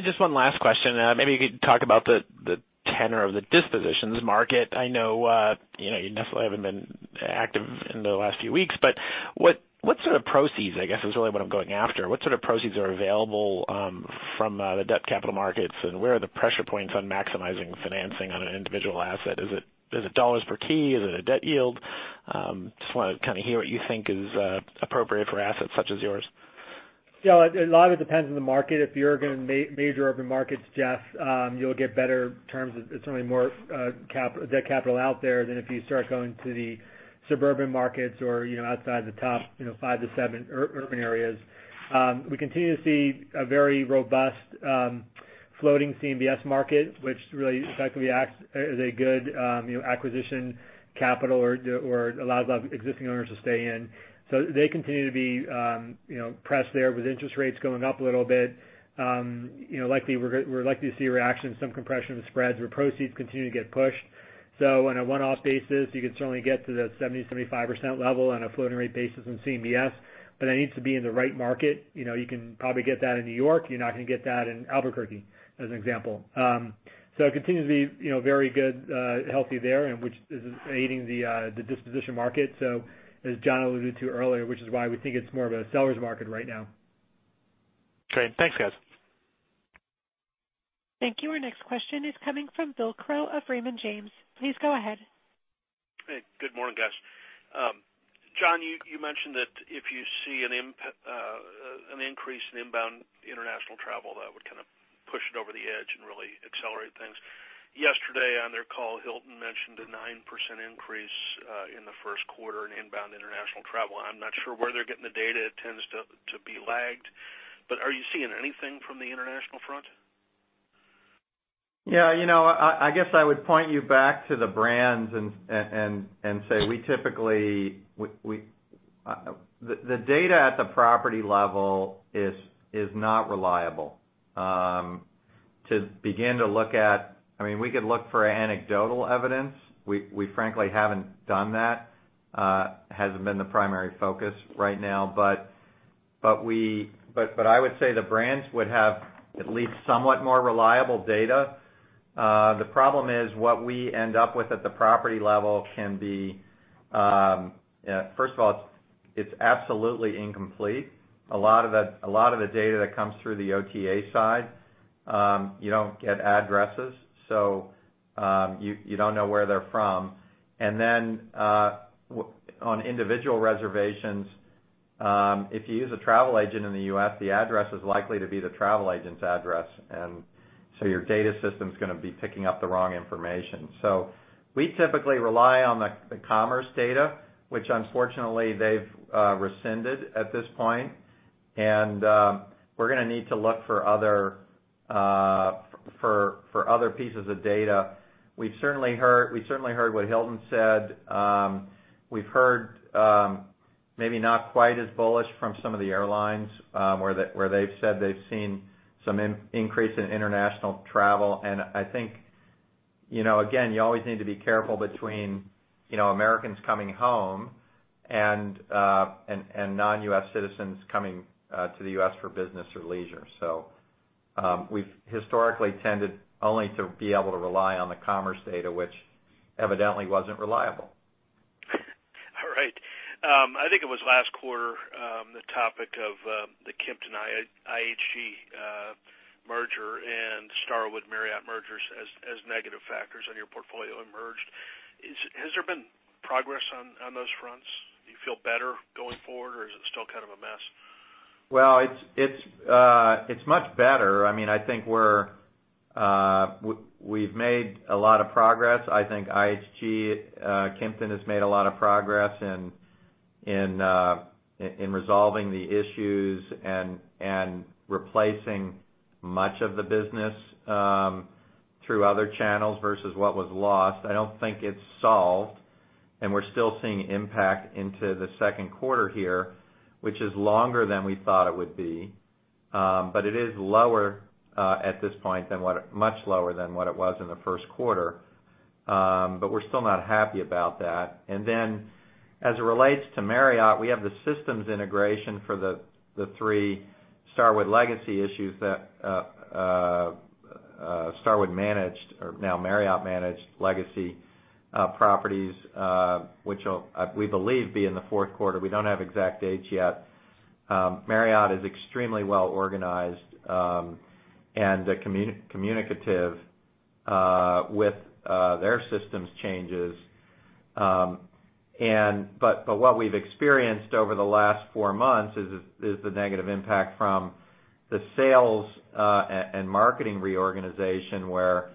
Just one last question. Maybe you could talk about the tenor of the dispositions market. I know you definitely haven't been active in the last few weeks, but what sort of proceeds, I guess, is really what I'm going after. What sort of proceeds are available from the debt capital markets, and where are the pressure points on maximizing financing on an individual asset? Is it dollars per T? Is it a debt yield? Just want to kind of hear what you think is appropriate for assets such as yours. A lot of it depends on the market. If you're going major urban markets, Jeff, you'll get better terms. There's certainly more debt capital out there than if you start going to the suburban markets or outside the top five to seven urban areas. We continue to see a very robust floating CMBS market, which really effectively acts as a good acquisition capital or allows a lot of existing owners to stay in. They continue to be pressed there with interest rates going up a little bit. We're likely to see a reaction, some compression of spreads, where proceeds continue to get pushed. On a one-off basis, you could certainly get to the 70%, 75% level on a floating rate basis in CMBS, but it needs to be in the right market. You can probably get that in New York. You're not going to get that in Albuquerque, as an example. It continues to be very good, healthy there, and which is aiding the disposition market. As Jon alluded to earlier, which is why we think it's more of a seller's market right now. Great. Thanks, guys. Thank you. Our next question is coming from Bill Crow of Raymond James. Please go ahead. Hey, good morning, guys. Jon, you mentioned that if you see an increase in inbound international travel, that would kind of push it over the edge and really accelerate things. Yesterday on their call, Hilton mentioned a 9% increase in the first quarter in inbound international travel. I'm not sure where they're getting the data. It tends to be lagged. Are you seeing anything from the international front? Yeah. I guess I would point you back to the brands and say. The data at the property level is not reliable. We could look for anecdotal evidence. We frankly haven't done that, hasn't been the primary focus right now. I would say the brands would have at least somewhat more reliable data. The problem is what we end up with at the property level. First of all, it's absolutely incomplete. A lot of the data that comes through the OTA side, you don't get addresses, so you don't know where they're from. Then, on individual reservations, if you use a travel agent in the U.S., the address is likely to be the travel agent's address. So your data system's going to be picking up the wrong information. We typically rely on the commerce data, which unfortunately they've rescinded at this point. We're going to need to look for other pieces of data. We've certainly heard what Hilton said. We've heard maybe not quite as bullish from some of the airlines, where they've said they've seen some increase in international travel. I think, again, you always need to be careful between Americans coming home and non-U.S. citizens coming to the U.S. for business or leisure. We've historically tended only to be able to rely on the commerce data, which evidently wasn't reliable. All right. I think it was last quarter, the topic of the Kimpton IHG merger and Starwood Marriott mergers as negative factors on your portfolio emerged. Has there been progress on those fronts? Do you feel better going forward, or is it still kind of a mess? Well, it's much better. I think we've made a lot of progress. I think IHG, Kimpton has made a lot of progress in resolving the issues and replacing much of the business through other channels versus what was lost. I don't think it's solved, and we're still seeing impact into the second quarter here, which is longer than we thought it would be. It is much lower at this point than what it was in the first quarter. We're still not happy about that. Then, as it relates to Marriott, we have the systems integration for the three Starwood legacy issues that Starwood managed or now Marriott-managed legacy properties, which will, we believe, be in the fourth quarter. We don't have exact dates yet. Marriott is extremely well-organized, and communicative with their systems changes. What we've experienced over the last four months is the negative impact from the sales and marketing reorganization, where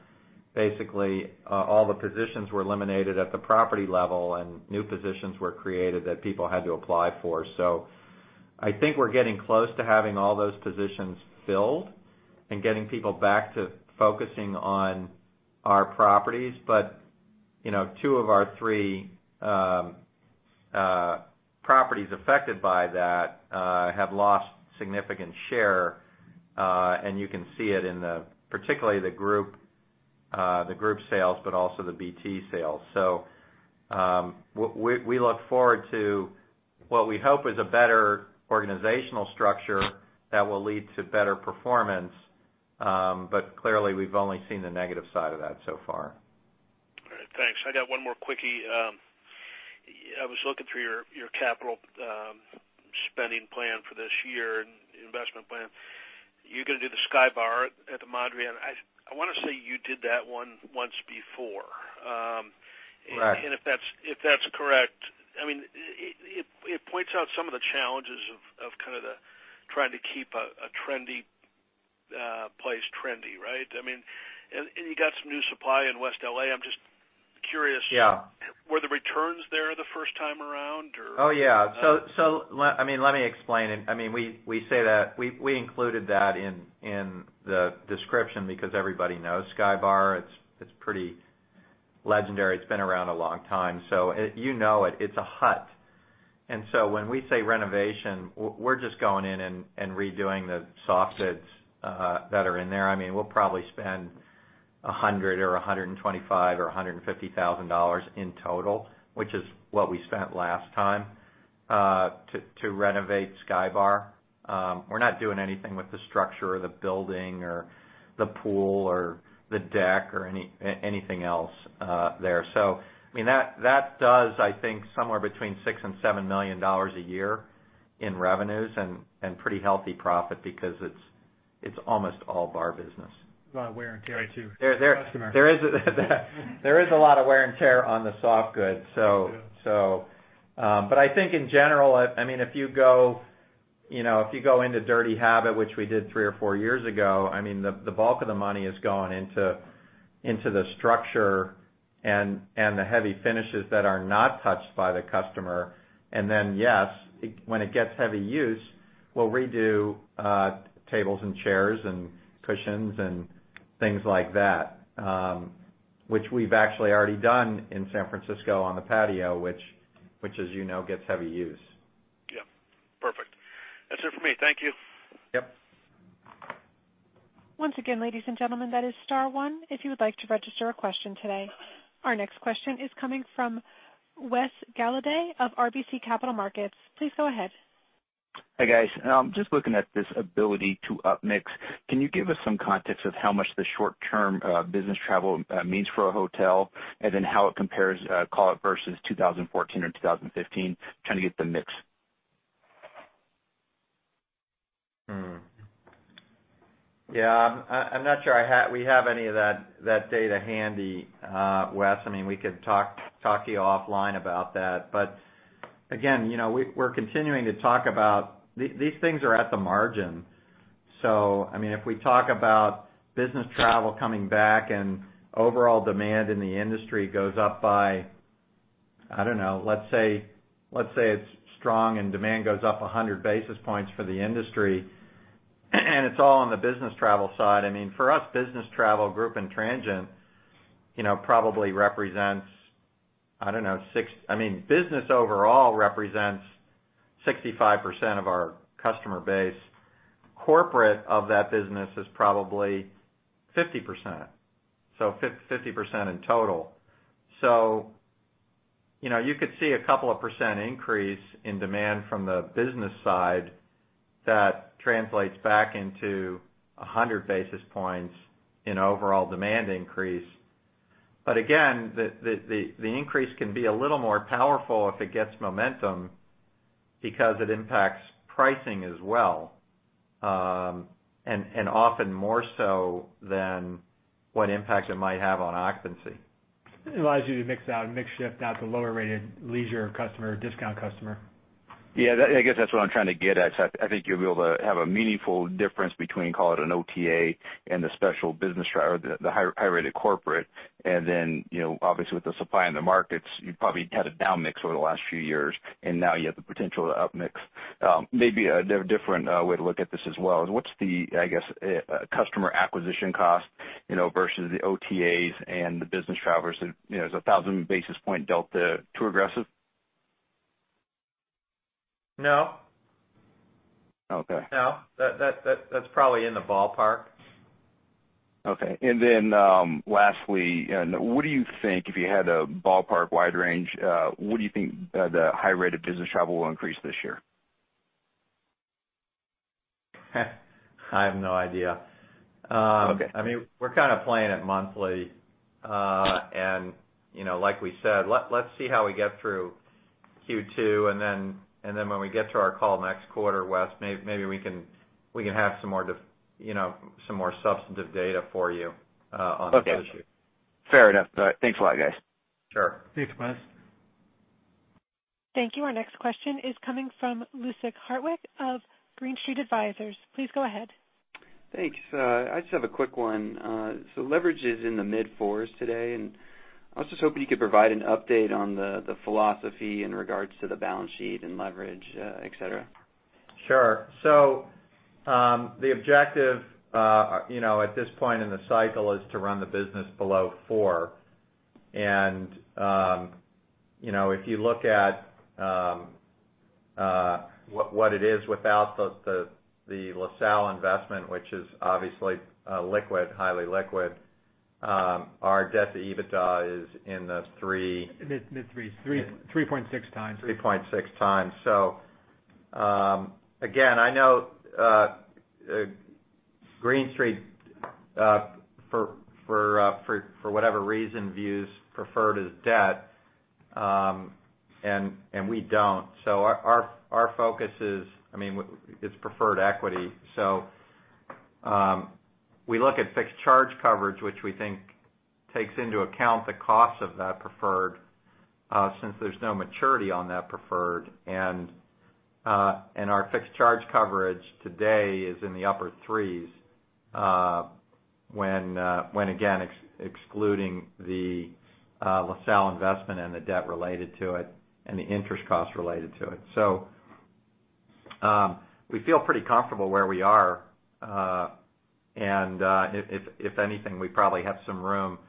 basically all the positions were eliminated at the property level, and new positions were created that people had to apply for. I think we're getting close to having all those positions filled and getting people back to focusing on our properties. Two of our three properties affected by that have lost significant share. You can see it in particularly the group sales, but also the BT sales. We look forward to what we hope is a better organizational structure that will lead to better performance. Clearly, we've only seen the negative side of that so far. All right. Thanks. I got one more quickie. I was looking through your capital spending plan for this year and investment plan. You're going to do the Skybar at the Mondrian. I want to say you did that one once before. Right. If that's correct, it points out some of the challenges of kind of trying to keep a trendy place trendy, right? You got some new supply in West L.A. I'm just curious. Yeah. Were the returns there the first time around? Oh, yeah. Let me explain it. We included that in the description because everybody knows Skybar. It's pretty legendary. It's been around a long time. You know it's a hut. When we say renovation, we're just going in and redoing the soft goods that are in there. We'll probably spend $100,000 or $125,000 or $150,000 in total, which is what we spent last time to renovate Skybar. We're not doing anything with the structure of the building or the pool or the deck or anything else there. That does, I think, somewhere between $6 million and $7 million a year in revenues and pretty healthy profit because it's almost all bar business. A lot of wear and tear too. There is a lot of wear and tear on the soft goods. Yeah. I think in general, if you go into Dirty Habit, which we did three or four years ago, the bulk of the money is going into the structure and the heavy finishes that are not touched by the customer. Yes, when it gets heavy use, we'll redo tables and chairs and cushions and things like that, which we've actually already done in San Francisco on the patio, which as you know, gets heavy use. Yeah. Perfect. That's it for me. Thank you. Yep. Once again, ladies and gentlemen, that is star one if you would like to register a question today. Our next question is coming from Wes Golladay of RBC Capital Markets. Please go ahead. Hi, guys. Just looking at this ability to upmix. Can you give us some context of how much the short-term business travel means for a hotel, and then how it compares, call it, versus 2014 or 2015, trying to get the mix? Yeah, I'm not sure we have any of that data handy, Wes. We could talk to you offline about that. Again, we're continuing to talk about these things are at the margin. If we talk about business travel coming back and overall demand in the industry goes up by, I don't know, let's say it's strong and demand goes up 100 basis points for the industry, and it's all on the business travel side. For us, business travel, group and transient, probably represents, I don't know business overall represents 65% of our customer base. Corporate of that business is probably 50%. 50% in total. You could see a couple of percent increase in demand from the business side that translates back into 100 basis points in overall demand increase. Again, the increase can be a little more powerful if it gets momentum because it impacts pricing as well, and often more so than what impact it might have on occupancy. It allows you to mix out and mix shift out the lower-rated leisure customer or discount customer. Yeah, I guess that's what I'm trying to get at. I think you'll be able to have a meaningful difference between, call it, an OTA and the special business travel, the high-rated corporate, and then obviously with the supply in the markets, you probably had a down mix over the last few years, and now you have the potential to upmix. Maybe a different way to look at this as well is what's the, I guess, customer acquisition cost versus the OTAs and the business travelers? Is 1,000 basis points delta too aggressive? No. Okay. No. That's probably in the ballpark. Okay. Lastly, what do you think, if you had a ballpark wide range, what do you think the high rate of business travel will increase this year? I have no idea. Okay. We're kind of playing it monthly. Like we said, let's see how we get through Q2. Then when we get to our call next quarter, Wes, maybe we can have some more substantive data for you on that issue. Okay. Fair enough. All right. Thanks a lot, guys. Sure. Thanks, Wes. Thank you. Our next question is coming from Lukas Hartwich of Green Street Advisors. Please go ahead. Thanks. I just have a quick one. Leverage is in the mid-4s today, and I was just hoping you could provide an update on the philosophy in regards to the balance sheet and leverage, et cetera. Sure. The objective at this point in the cycle is to run the business below 4. If you look at what it is without the LaSalle investment, which is obviously highly liquid, our debt to EBITDA is in the. Mid-3s. 3.6 times. 3.6x. Again, I know Green Street, for whatever reason, views preferred as debt, and we don't. Our focus is preferred equity. We look at fixed charge coverage, which we think takes into account the cost of that preferred since there's no maturity on that preferred. Our fixed charge coverage today is in the upper threes when, again, excluding the LaSalle investment and the debt related to it and the interest cost related to it. We feel pretty comfortable where we are. If anything, we probably have some room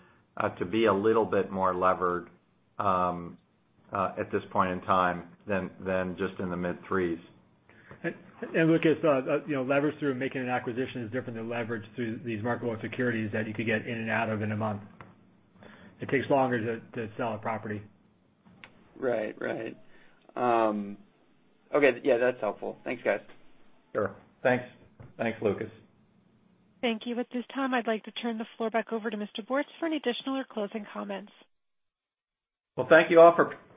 to be a little bit more levered at this point in time than just in the mid-threes. Lukas, leverage through making an acquisition is different than leverage through these marketable securities that you could get in and out of in a month. It takes longer to sell a property. Right. Okay, yeah, that's helpful. Thanks, guys. Sure. Thanks, Lukas. Thank you. At this time, I'd like to turn the floor back over to Mr. Bortz for any additional or closing comments. Well, thank you all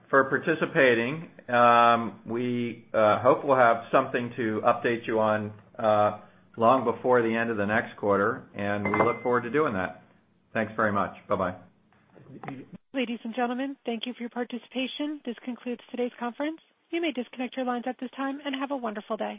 for participating. We hope we'll have something to update you on long before the end of the next quarter, and we look forward to doing that. Thanks very much. Bye-bye. Ladies and gentlemen, thank you for your participation. This concludes today's conference. You may disconnect your lines at this time, and have a wonderful day.